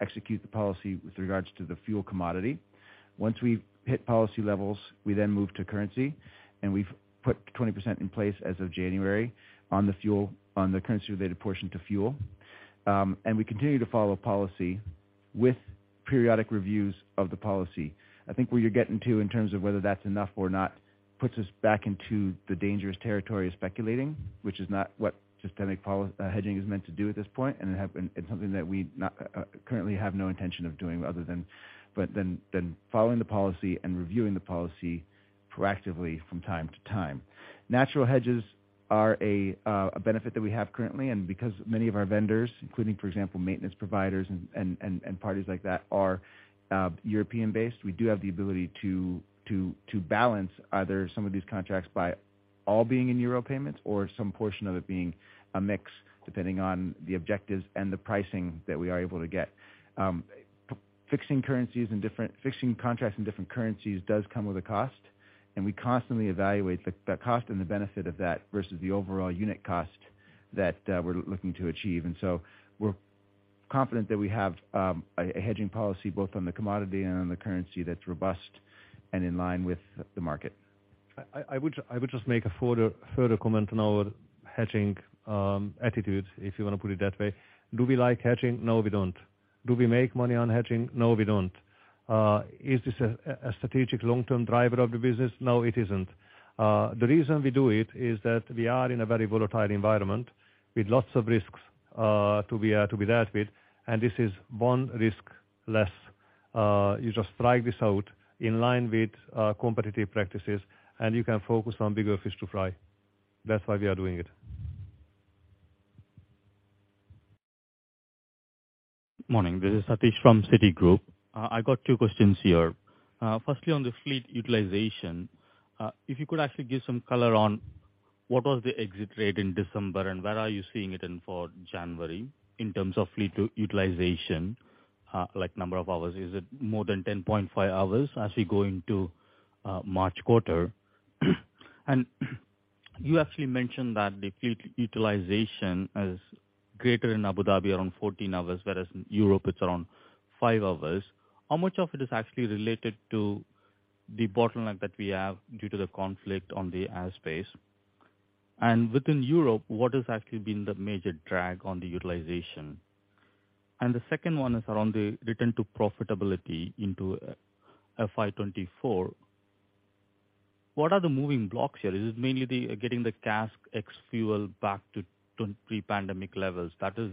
execute the policy with regards to the fuel commodity. Once we've hit policy levels, we then move to currency, and we've put 20% in place as of January on the currency-related portion to fuel. We continue to follow policy with periodic reviews of the policy. I think where you're getting to in terms of whether that's enough or not puts us back into the dangerous territory of speculating, which is not what systemic hedging is meant to do at this point. It's something that we not currently have no intention of doing other than following the policy and reviewing the policy proactively from time to time. Natural hedges are a benefit that we have currently. Because many of our vendors, including, for example, maintenance providers and parties like that are European-based, we do have the ability to balance either some of these contracts by all being in euro payments or some portion of it being a mix, depending on the objectives and the pricing that we are able to get. Fixing currencies in different contracts in different currencies does come with a cost, and we constantly evaluate the cost and the benefit of that versus the overall unit cost that we're looking to achieve. We're confident that we have a hedging policy both on the commodity and on the currency that's robust and in line with the market. I would just make a further comment on our hedging attitude, if you wanna put it that way. Do we like hedging? No, we don't. Do we make money on hedging? No, we don't. Is this a strategic long-term driver of the business? No, it isn't. The reason we do it is that we are in a very volatile environment with lots of risks to be dealt with, and this is one risk less. You just strike this out in line with competitive practices and you can focus on bigger fish to fry. That's why we are doing it. Morning, this is Satish from Citigroup. I got two questions here. Firstly on the fleet utilization, if you could actually give some color on what was the exit rate in December and where are you seeing it in for January in terms of fleet utilization, like number of hours, is it more than 10.5 hours as we go into March quarter? You actually mentioned that the fleet utilization is greater in Abu Dhabi, around 14 hours, whereas in Europe it's around five hours. How much of it is actually related to the bottleneck that we have due to the conflict on the airspace? Within Europe, what has actually been the major drag on the utilization? The second one is around the return to profitability into FY 2024. What are the moving blocks here? Is it mainly the getting the CASK ex-fuel back to pre-pandemic levels?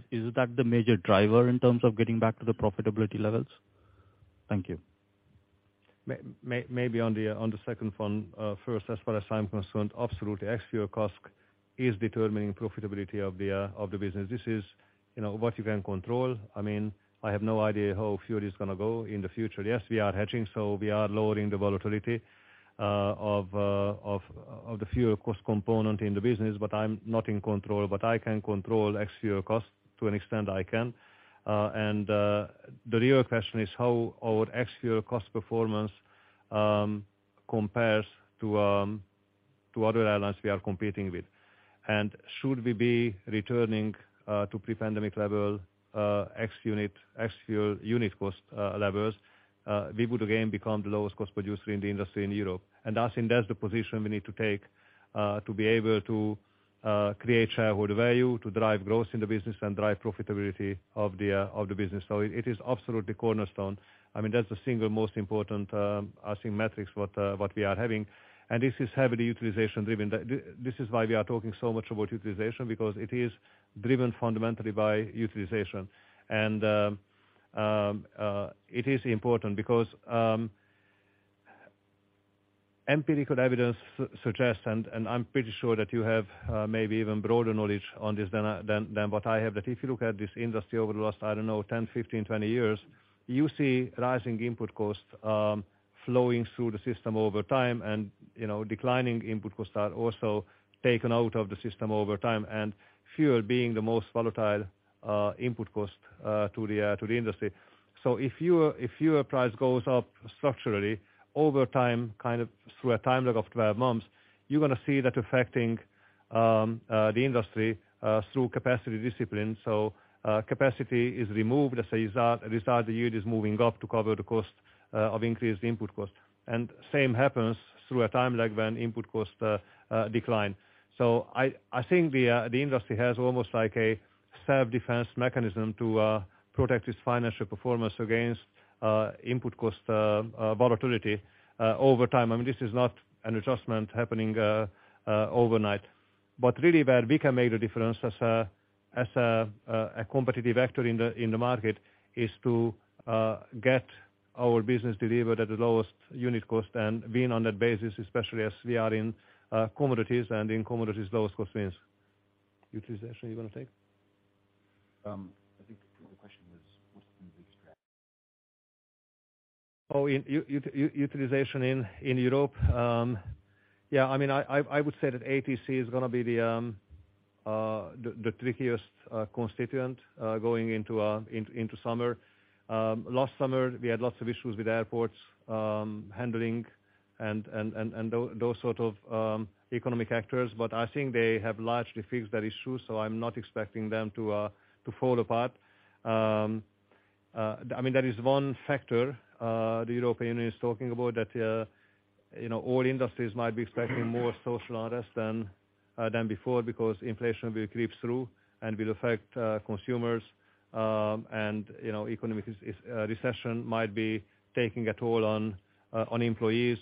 Is that the major driver in terms of getting back to the profitability levels? Thank you. maybe on the second one, first as far as I'm concerned, absolutely ex-fuel CASK is determining profitability of the business. This is, you know, what you can control. I mean, I have no idea how fuel is gonna go in the future. Yes, we are hedging, so we are lowering the volatility of the fuel cost component in the business, but I'm not in control. I can control ex-fuel costs, to an extent I can. The real question is how our ex-fuel cost performance compares to other airlines we are competing with. Should we be returning to pre-pandemic level ex-unit, ex-fuel unit cost levels, we would again become the lowest cost producer in the industry in Europe. I think that's the position we need to take, to be able to, create shareholder value, to drive growth in the business and drive profitability of the business. It is absolutely cornerstone. I mean, that's the single most important, I think metrics what we are having. This is heavily utilization driven. This is why we are talking so much about utilization because it is driven fundamentally by utilization. It is important because empirical evidence suggests, and I'm pretty sure that you have maybe even broader knowledge on this than what I have, that if you look at this industry over the last, I don't know, 10, 15, 20 years, you see rising input costs flowing through the system over time and, you know, declining input costs are also taken out of the system over time, and fuel being the most volatile input cost to the industry. If fuel price goes up structurally over time, kind of through a time lag of 12 months, you're gonna see that affecting the industry through capacity discipline. Capacity is removed as a result the yield is moving up to cover the cost of increased input cost. Same happens through a time lag when input costs decline. I think the industry has almost like a self-defense mechanism to protect its financial performance against input cost volatility over time. I mean, this is not an adjustment happening overnight. Really where we can make a difference as a, as a competitive actor in the market is to get our business delivered at the lowest unit cost and being on that basis, especially as we are in commodities, and in commodities lowest cost wins. Utilization you wanna take? I think the question was what's been the biggest drag. In utilization in Europe. Yeah, I mean, I would say that ATC is gonna be the trickiest constituent going into summer. Last summer we had lots of issues with airports, handling and those sort of economic actors, but I think they have largely fixed that issue, so I'm not expecting them to fall apart. I mean, that is one factor, the European Union is talking about that, you know, all industries might be expecting more social unrest than before because inflation will creep through and will affect consumers, and, you know, economic is recession might be taking a toll on employees,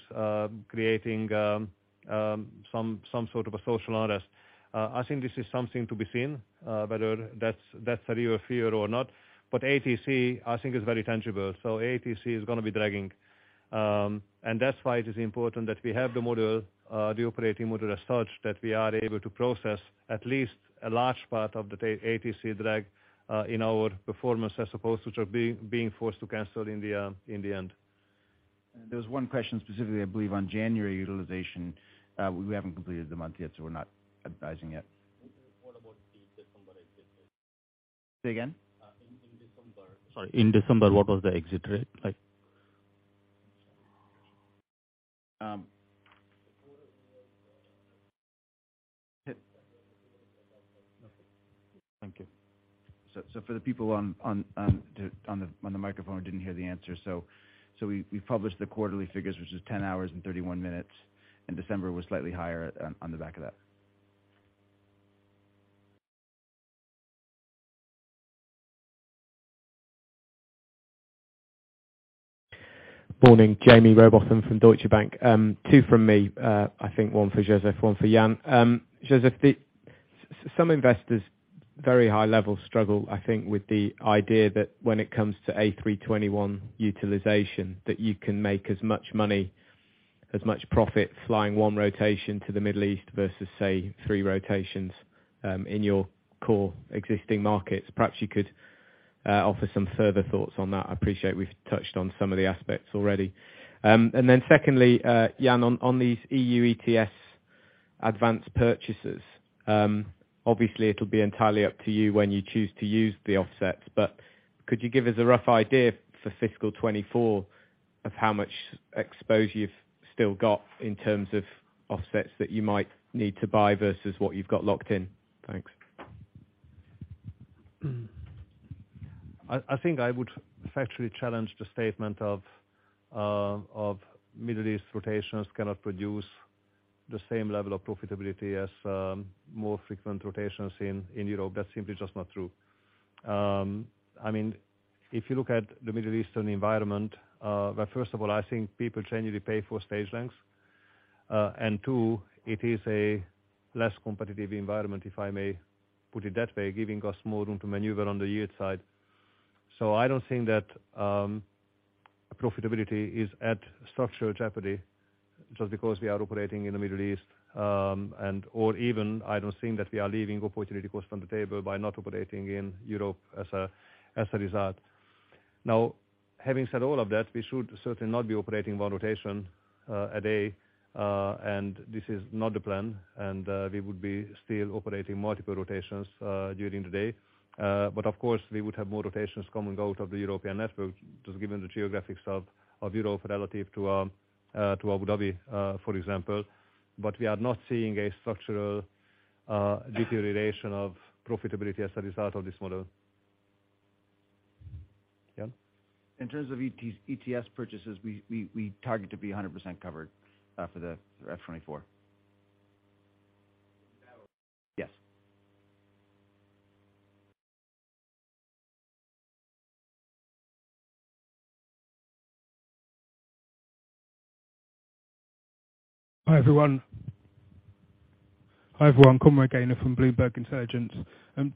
creating some sort of a social unrest. I think this is something to be seen, whether that's a real fear or not. ATC, I think is very tangible. ATC is gonna be dragging. That's why it is important that we have the model, the operating model as such that we are able to process at least a large part of the ATC drag in our performance as opposed to just being forced to cancel in the end. There was one question specifically, I believe, on January utilization. We haven't completed the month yet, so we're not advising yet. What about the December exit rate? Say again? in December. Sorry, in December, what was the exit rate like? Thank you. For the people on the microphone who didn't hear the answer, we published the quarterly figures, which is 10 hours and 31 minutes. December was slightly higher on the back of that. Morning. Jaime Rowbotham from Deutsche Bank. Two from me. I think one for József, one for Ian. József, some investors, very high level struggle, I think, with the idea that when it comes to A321 utilization, that you can make as much moneyAs much profit flying one rotation to the Middle East versus say, three rotations, in your core existing markets. Perhaps you could offer some further thoughts on that. I appreciate we've touched on some of the aspects already. Secondly, Ian, on these EU ETS advanced purchases, obviously it'll be entirely up to you when you choose to use the offsets, but could you give us a rough idea for fiscal 2024 of how much exposure you've still got in terms of offsets that you might need to buy versus what you've got locked in? Thanks. I think I would factually challenge the statement of Middle East rotations cannot produce the same level of profitability as more frequent rotations in Europe. That's simply just not true. I mean, if you look at the Middle Eastern environment, well, first of all, I think people genuinely pay for stage lengths. Two, it is a less competitive environment, if I may put it that way, giving us more room to maneuver on the yield side. I don't think that profitability is at structural jeopardy just because we are operating in the Middle East, and, or even I don't think that we are leaving opportunity cost on the table by not operating in Europe as a result. Having said all of that, we should certainly not be operating one rotation a day. This is not the plan, and we would be still operating multiple rotations during the day. Of course we would have more rotations come and go out of the European network, just given the geographics of Europe relative to Abu Dhabi, for example. We are not seeing a structural deterioration of profitability as a result of this model. Yeah. In terms of ETS purchases, we target to be 100% covered for the F 2024. Yes. Hi, everyone. Conrad Clifford from Bloomberg Intelligence.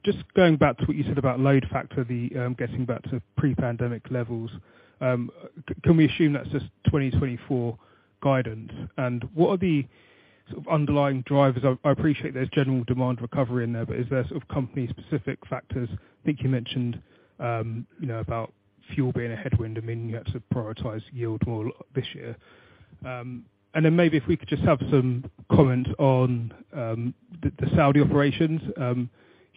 Just going back to what you said about load factor, getting back to pre-pandemic levels, can we assume that's just 2024 guidance? What are the sort of underlying drivers? I appreciate there's general demand recovery in there, but is there sort of company specific factors? I think you mentioned, you know, about fuel being a headwind, I mean, you have to prioritize yield more this year. Then maybe if we could just have some comment on the Saudi operations.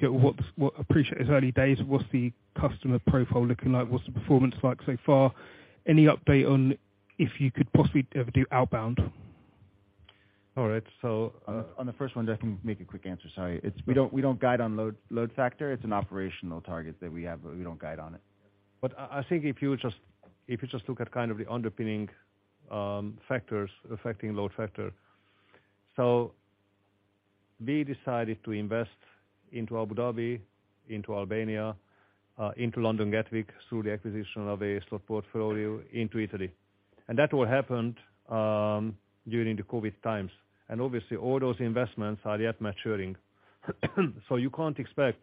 You know, appreciate it's early days. What's the customer profile looking like? What's the performance like so far? Any update on if you could possibly ever do outbound? All right. On the first one, just let me make a quick answer. Sorry. We don't guide on load factor. It's an operational target that we have, but we don't guide on it. I think if you just look at kind of the underpinning factors affecting load factor. We decided to invest into Abu Dhabi, into Albania, into London Gatwick through the acquisition of a slot portfolio into Italy. That all happened during the COVID times. Obviously all those investments are yet maturing. You can't expect,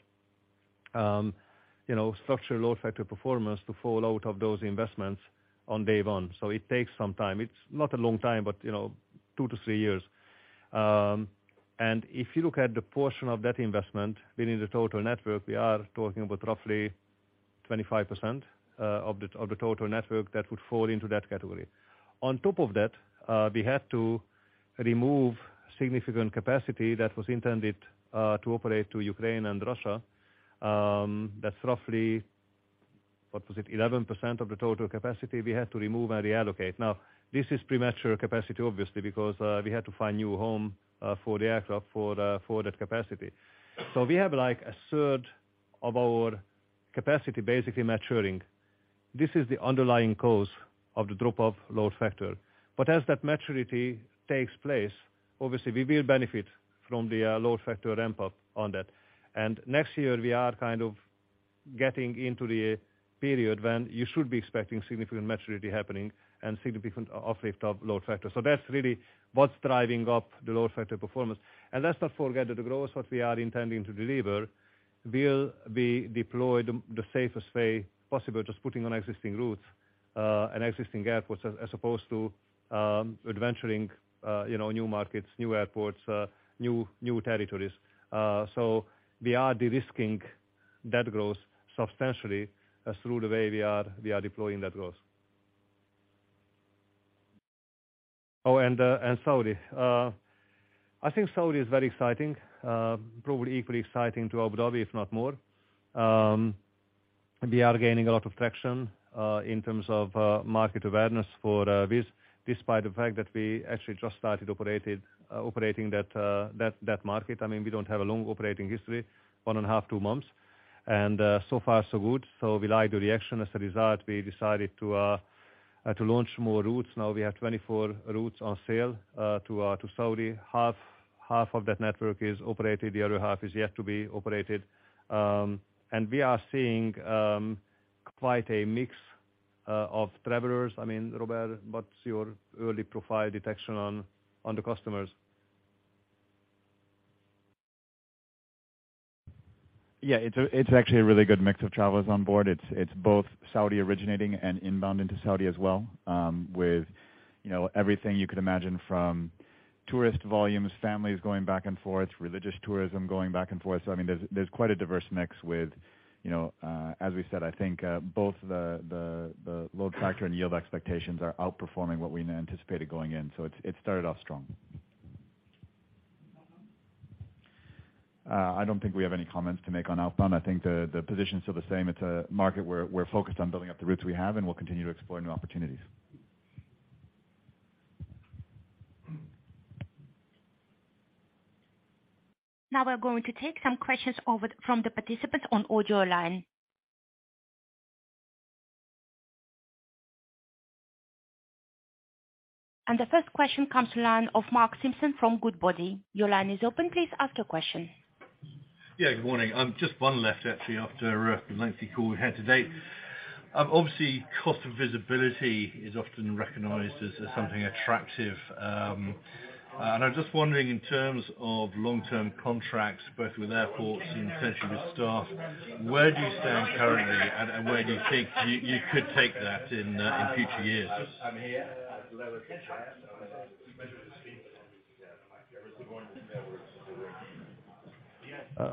you know, structural load factor performance to fall out of those investments on day one. It takes some time. It's not a long time, but you know, two to three years. If you look at the portion of that investment within the total network, we are talking about roughly 25% of the total network that would fall into that category. On top of that, we had to remove significant capacity that was intended to operate to Ukraine and Russia. That's roughly, what was it? 11% of the total capacity we had to remove and reallocate. Now, this is premature capacity obviously because we had to find new home for the aircraft for that capacity. We have like a third of our capacity basically maturing. This is the underlying cause of the drop-off load factor. As that maturity takes place, obviously we will benefit from the load factor ramp up on that. Next year we are kind of getting into the period when you should be expecting significant maturity happening and significant uplift of load factor. That's really what's driving up the load factor performance. Let's not forget that the growth what we are intending to deliver will be deployed the safest way possible, just putting on existing routes and existing airports as opposed to adventuring, you know, new markets, new airports, new territories. We are de-risking that growth substantially as through the way we are deploying that growth. Saudi. I think Saudi is very exciting. Probably equally exciting to Abu Dhabi, if not more. We are gaining a lot of traction in terms of market awareness for Wizz Air despite the fact that we actually just started operating that market. I mean, we don't have a long operating history, one and a half, two months. So far so good. We like the reaction. We decided to launch more routes. We have 24 routes on sale, to Saudi. 1/2 of that network is operated, the other 1/2 is yet to be operated. We are seeing quite a mix of travelers. I mean, Robert, what's your early profile detection on the customers? It's actually a really good mix of travelers on board. It's both Saudi originating and inbound into Saudi as well, with, you know, everything you could imagine from tourist volumes, families going back and forth, religious tourism going back and forth. I mean, there's quite a diverse mix with, you know, as we said, I think, both the load factor and yield expectations are outperforming what we anticipated going in. It started off strong. I don't think we have any comments to make on outbound. I think the position is still the same. It's a market we're focused on building up the routes we have, and we'll continue to explore new opportunities. Now we're going to take some questions over from the participants on audio line. The first question comes to line of Mark Simpson from Goodbody. Your line is open. Please ask your question. Yeah, good morning. Just one left actually after a lengthy call we had today. Obviously cost of visibility is often recognized as something attractive. I'm just wondering in terms of long-term contracts, both with airports and potentially with staff, where do you stand currently and where do you think you could take that in future years?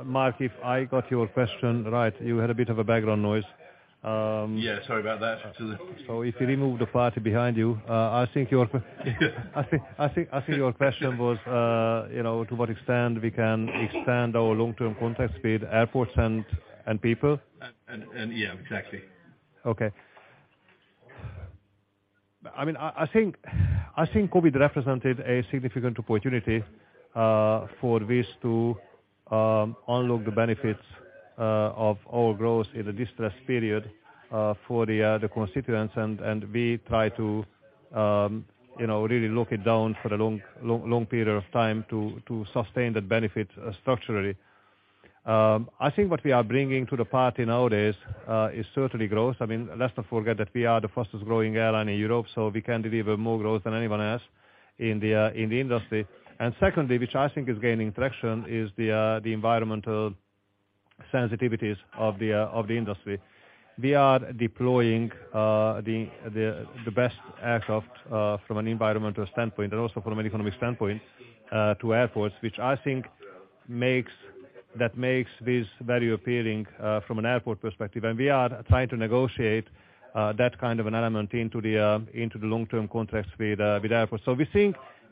Mark, if I got your question right, you had a bit of a background noise. Yeah, sorry about that. If you remove the party behind you, I think your question was, you know, to what extent we can expand our long-term contracts with airports and people. Yeah, exactly. Okay. I mean, I think COVID represented a significant opportunity for Wizz to unlock the benefits of our growth in a distressed period for the constituents. We try to, you know, really lock it down for a long period of time to sustain the benefit structurally. I think what we are bringing to the party nowadays is certainly growth. I mean, let's not forget that we are the fastest growing airline in Europe, so we can deliver more growth than anyone else in the industry. Secondly, which I think is gaining traction is the environmental sensitivities of the industry. We are deploying the best aircraft from an environmental standpoint and also from an economic standpoint, to airports, which I think makes Wizz very appealing from an airport perspective. We are trying to negotiate that kind of an element into the long-term contracts with airports.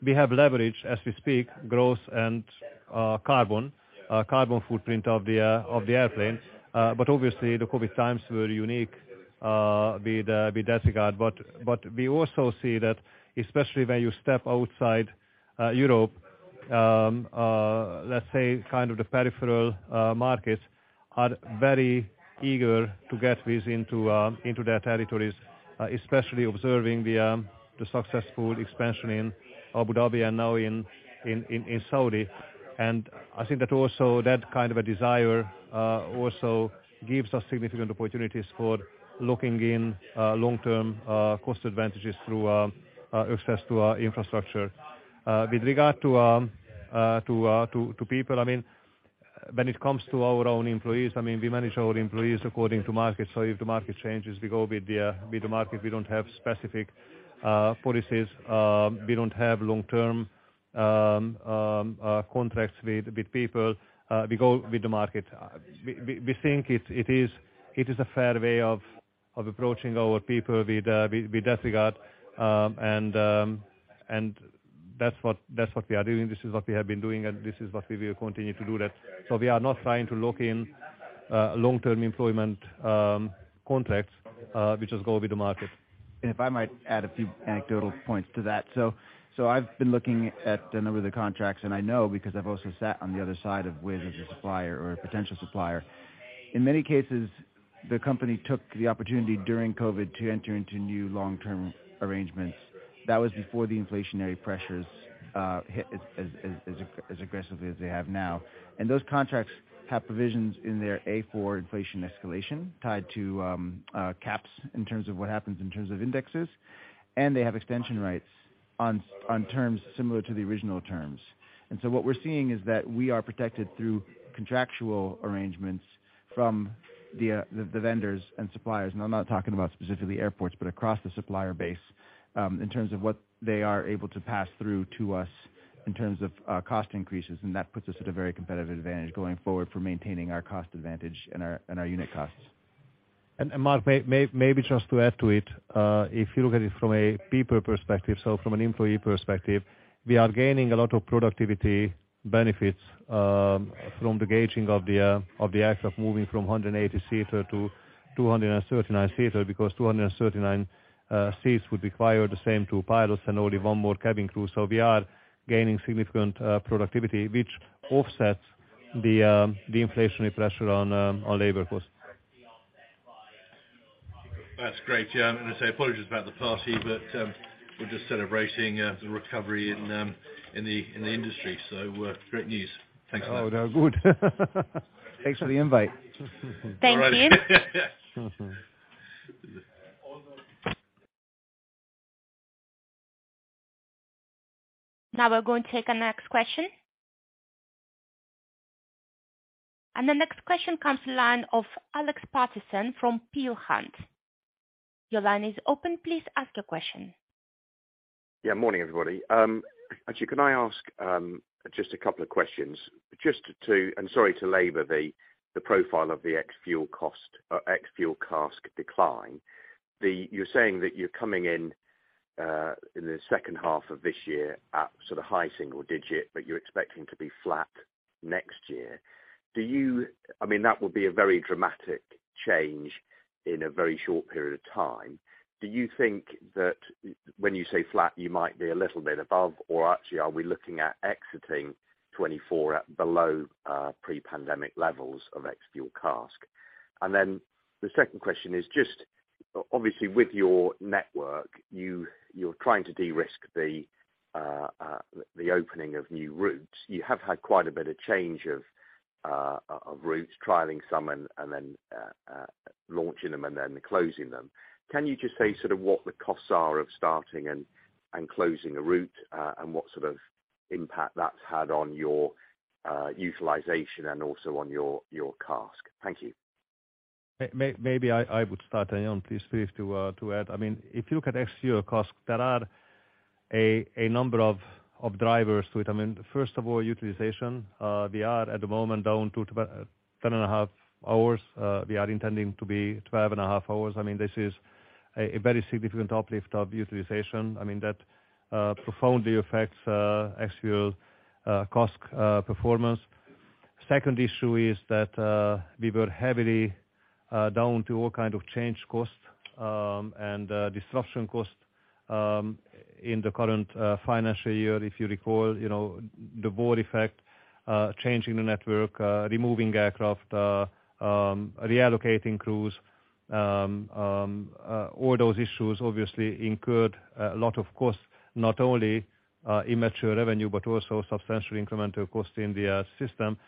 We think we have leverage as we speak growth and carbon footprint of the airplane. Obviously the COVID times were unique with that regard. We also see that especially when you step outside Europe, let's say kind of the peripheral markets are very eager to get Wizz into their territories, especially observing the successful expansion in Abu Dhabi and now in Saudi. I think that also that kind of a desire, also gives us significant opportunities for locking in, long-term, cost advantages through, access to our infrastructure. With regard to people, I mean, when it comes to our own employees, I mean, we manage our employees according to market. If the market changes, we go with the market. We don't have specific policies. We don't have long-term contracts with people. We go with the market. We think it is a fair way of approaching our people with that regard. That's what we are doing. This is what we have been doing, and this is what we will continue to do that. We are not trying to lock in long-term employment contracts, we just go with the market. If I might add a few anecdotal points to that. I've been looking at a number of the contracts, and I know because I've also sat on the other side of Wizz as a supplier or a potential supplier. In many cases, the company took the opportunity during COVID to enter into new long-term arrangements. That was before the inflationary pressures hit as aggressively as they have now. Those contracts have provisions in their for inflation escalation tied to caps in terms of what happens in terms of indexes. They have extension rights on terms similar to the original terms. What we're seeing is that we are protected through contractual arrangements from the vendors and suppliers. I'm not talking about specifically airports, but across the supplier base, in terms of what they are able to pass through to us in terms of, cost increases. That puts us at a very competitive advantage going forward for maintaining our cost advantage and our unit costs. Mark, maybe just to add to it, if you look at it from a people perspective, so from an employee perspective, we are gaining a lot of productivity benefits, from the gauging of the aircraft moving from 180 seater to 239 seater because 239 seats would require the same two pilots and only omore cabin crew. We are gaining significant productivity which offsets the inflationary pressure on labor costs. That's great. I say apologies about the party, but, we're just celebrating, the recovery in the, in the industry, so, great news. Thanks a lot. Oh, no good. Thanks for the invite. All right. Thank you. Now we're going to take our next question. The next question comes to line of Alex Paterson from Peel Hunt. Your line is open. Please ask your question. Yeah, morning, everybody. Actually, can I ask just a couple of questions? Sorry to labor the profile of the ex-fuel cost or ex-fuel CASK decline. You're saying that you're coming in in the H2 of this year at sort of high single digit, but you're expecting to be flat next year. I mean, that would be a very dramatic change in a very short period of time. Do you think that when you say flat, you might be a little bit above or actually are we looking at exiting 2024 at below pre-pandemic levels of ex-fuel CASK? The second question is just, obviously, with your network, you're trying to de-risk the opening of new routes. You have had quite a bit of change of routes, trialing some and then launching them and then closing them. Can you just say sort of what the costs are of starting and closing a route, and what sort of impact that's had on your utilization and also on your CASK? Thank you. Maybe I would start. Ian, please to add. I mean, if you look at ex-fuel CASK, there are a number of drivers to it. I mean, first of all, utilization. We are at the moment down to about 10.5 hours. We are intending to be 12.5 hours. I mean, this is a very significant uplift of utilization. I mean, that profoundly affects ex-fuel CASK performance. Second issue is that we were heavily down to all kind of change costs and disruption costs in the current financial year. If you recall, the board effect, changing the network, removing aircraft, reallocating crews, all those issues obviously incurred a lot of costs, not only in mature revenue, but also substantial incremental costs in the system,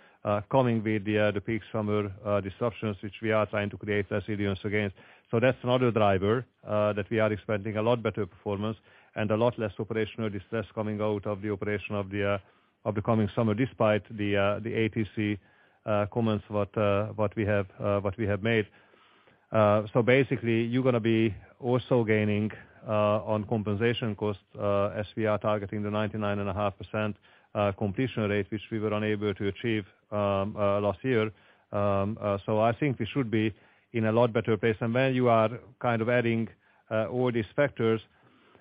coming with the peak summer disruptions, which we are trying to create resilience against. That's another driver that we are expecting a lot better performance and a lot less operational distress coming out of the operation of the coming summer, despite the ATC comments what we have what we have made. Basically, you're gonna be also gaining on compensation costs, as we are targeting the 99.5% completion rate, which we were unable to achieve last year. I think we should be in a lot better place. When you are kind of adding all these factors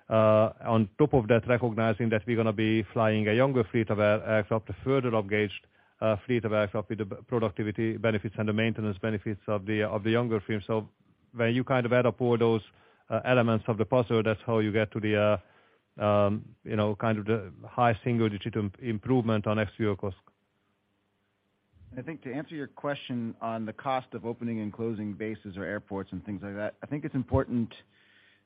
on top of that, recognizing that we're gonna be flying a younger fleet of aircraft, a further up-gauged fleet of aircraft with the productivity benefits and the maintenance benefits of the younger fleet. When you kind of add up all those elements of the puzzle, that's how you get to the, you know, kind of the high single-digit improvement on ex-fuel CASK. I think to answer your question on the cost of opening and closing bases or airports and things like that, I think it's important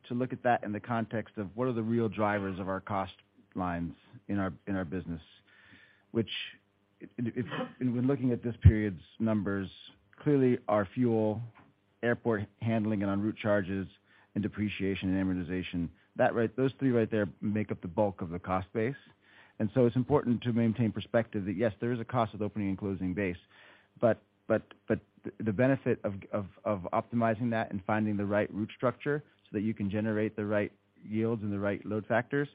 to look at that in the context of what are the real drivers of our cost lines in our, in our business. Which when looking at this period's numbers, clearly our fuel, airport handling and route charges and depreciation and amortization, those three right there make up the bulk of the cost base. It's important to maintain perspective that yes, there is a cost of opening and closing base, but the benefit of optimizing that and finding the right route structure so that you can generate the right yields and the right load factors,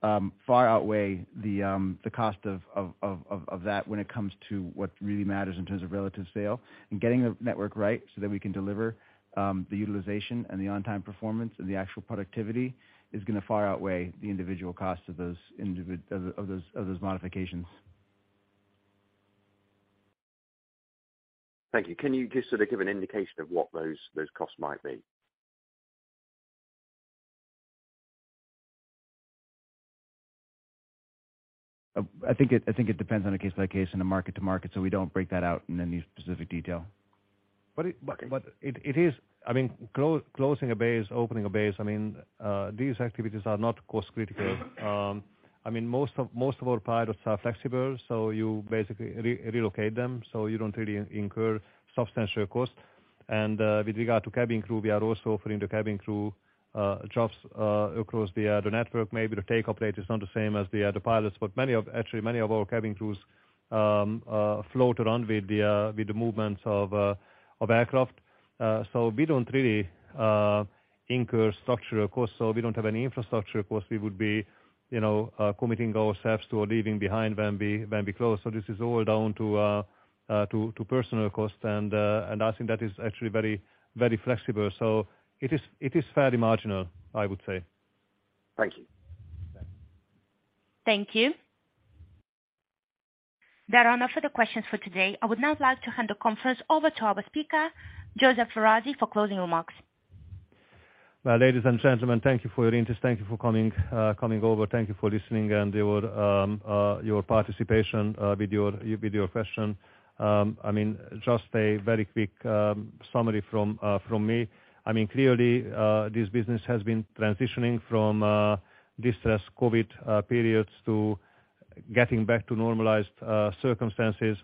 far outweigh the cost of that when it comes to what really matters in terms of relative sale. Getting the network right so that we can deliver the utilization and the on time performance and the actual productivity is gonna far outweigh the individual costs of those of those modifications. Thank you. Can you just sort of give an indication of what those costs might be? I think it depends on a case by case and a market to market, so we don't break that out in any specific detail. It is, I mean, closing a base, opening a base, I mean, these activities are not cost critical. I mean, most of our pilots are flexible, so you basically relocate them, so you don't really incur substantial cost. With regard to cabin crew, we are also offering the cabin crew jobs across the network. Maybe the take-up rate is not the same as the pilots, but actually many of our cabin crews float around with the movements of aircraft. We don't really incur structural costs. We don't have any infrastructure costs we would be, you know, committing ourselves to or leaving behind when we close. This is all down to personal cost. I think that is actually very, very flexible. It is fairly marginal, I would say. Thank you. Thank you. There are no further questions for today. I would now like to hand the conference over to our speaker, József Váradi, for closing remarks. Ladies and gentlemen, thank you for your interest. Thank you for coming over. Thank you for listening and your participation with your question. I mean, just a very quick summary from me. I mean, clearly, this business has been transitioning from distressed COVID periods to getting back to normalized circumstances.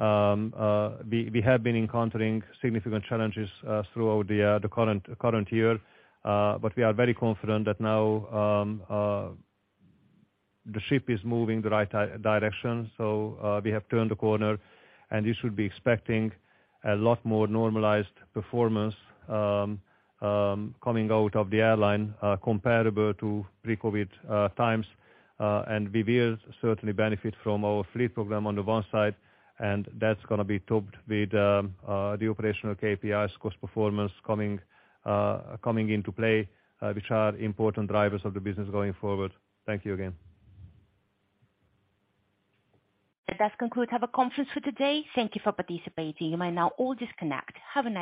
We have been encountering significant challenges throughout the current year. We are very confident that now the ship is moving the right direction. We have turned the corner, and you should be expecting a lot more normalized performance coming out of the airline, comparable to pre-COVID times. We will certainly benefit from our fleet program on the one side, and that's gonna be topped with the operational KPIs cost performance coming into play, which are important drivers of the business going forward. Thank you again. That does conclude our conference for today. Thank Thank you for participating. You may now all disconnect. Have a nice day.